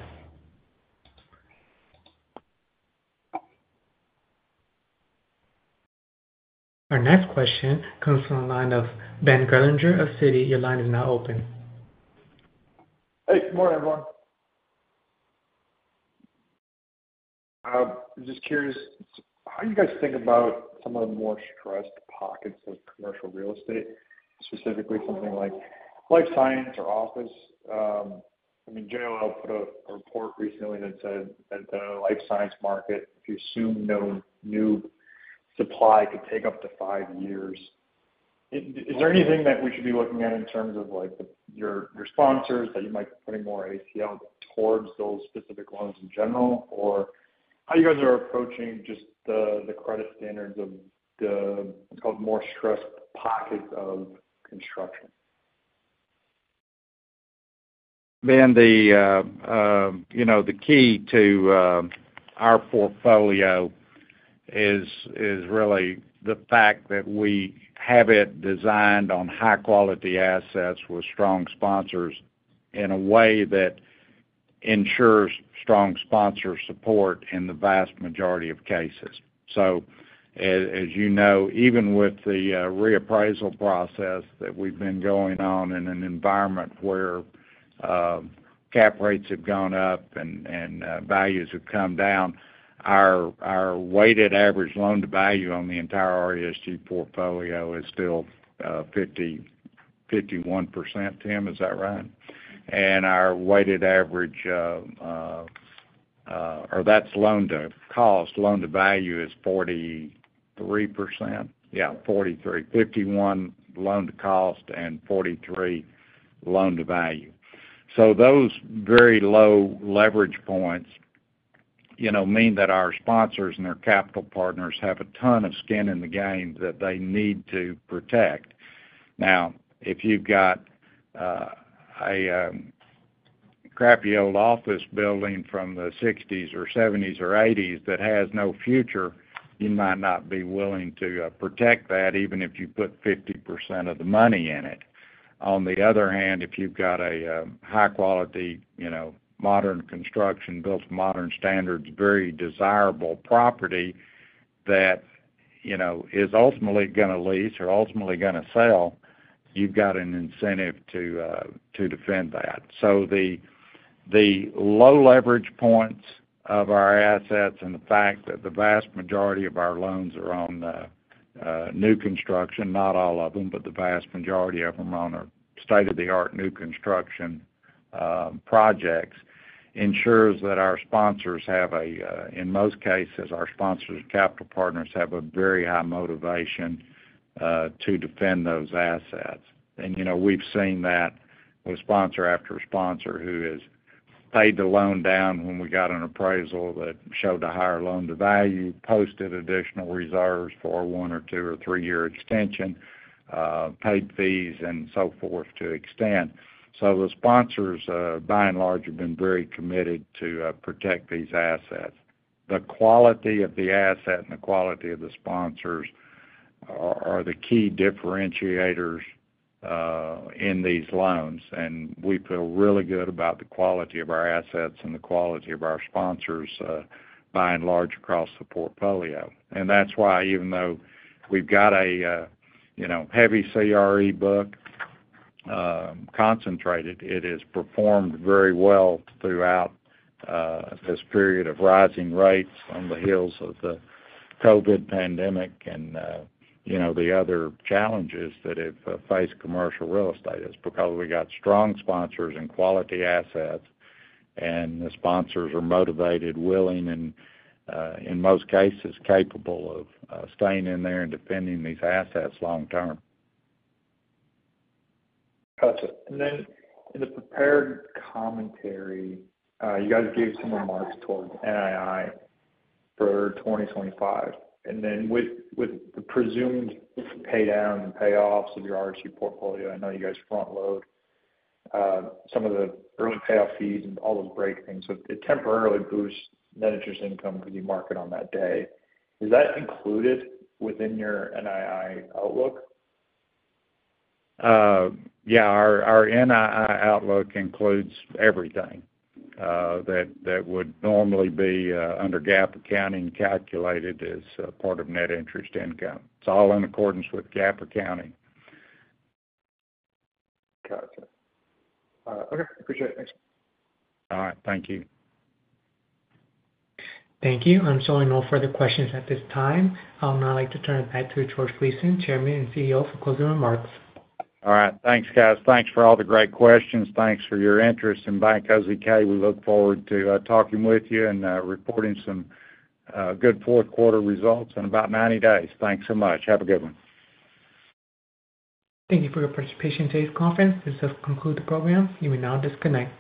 Our next question comes from the line of Ben Gerllinger of Citi. Your line is now open. Hey, good morning, everyone. Just curious, how do you guys think about some of the more stressed pockets of commercial real estate, specifically something like life science or office? I mean, JLL put out a report recently that said that the life science market, if you assume no new supply, could take up to five years. Is there anything that we should be looking at in terms of, like, your sponsors, that you might be putting more ACL towards those specific loans in general? Or how you guys are approaching just the credit standards of more stressed pockets of construction? Ben, you know, the key to our portfolio is really the fact that we have it designed on high-quality assets with strong sponsors in a way that ensures strong sponsor support in the vast majority of cases. So as you know, even with the reappraisal process that we've been going on in an environment where cap rates have gone up and values have come down, our weighted average loan-to-value on the entire RESG portfolio is still 51%. Tim, is that right? And our weighted average, or that's loan-to-cost. Loan-to-value is 43%. Yeah, forty-three. Fifty-one loan-to-cost and forty-three loan-to-value. Those very low leverage points, you know, mean that our sponsors and their capital partners have a ton of skin in the game that they need to protect. Now, if you've got a crappy old office building from the '60s or '70s or '80s that has no future, you might not be willing to protect that, even if you put 50% of the money in it. On the other hand, if you've got a high quality, you know, modern construction, built to modern standards, very desirable property that, you know, is ultimately gonna lease or ultimately gonna sell, you've got an incentive to defend that. So the low leverage points of our assets and the fact that the vast majority of our loans are on the new construction, not all of them, but the vast majority of them are on a state-of-the-art new construction projects, ensures that our sponsors have a... In most cases, our sponsors and capital partners have a very high motivation to defend those assets. And, you know, we've seen that with sponsor after sponsor, who has paid the loan down when we got an appraisal that showed a higher loan-to-value, posted additional reserves for a one- or two- or three-year extension, paid fees, and so forth, to extend. So the sponsors, by and large, have been very committed to protect these assets. The quality of the asset and the quality of the sponsors are the key differentiators in these loans, and we feel really good about the quality of our assets and the quality of our sponsors, by and large, across the portfolio. And that's why even though we've got a, you know, heavy CRE book, concentrated, it has performed very well throughout, this period of rising rates on the heels of the COVID pandemic and, you know, the other challenges that have faced commercial real estate. It's because we've got strong sponsors and quality assets, and the sponsors are motivated, willing, and, in most cases, capable of, staying in there and defending these assets long term. Gotcha. And then in the prepared commentary, you guys gave some remarks towards NII for twenty twenty-five. And then with the presumed paydowns and payoffs of your RESG portfolio, I know you guys front-load some of the early payoff fees and all those great things. So it temporarily boosts net interest income because you mark it on that day. Is that included within your NII outlook? Yeah, our NII outlook includes everything that would normally be under GAAP accounting, calculated as part of net interest income. It's all in accordance with GAAP accounting. Gotcha. Okay, appreciate it. Thanks. All right, thank you. Thank you. I'm showing no further questions at this time. I would now like to turn it back to George Gleason, Chairman and CEO, for closing remarks. All right. Thanks, guys. Thanks for all the great questions. Thanks for your interest in Bank OZK. We look forward to talking with you and reporting some good fourth quarter results in about ninety days. Thanks so much. Have a good one. Thank you for your participation in today's conference. This does conclude the program. You may now disconnect.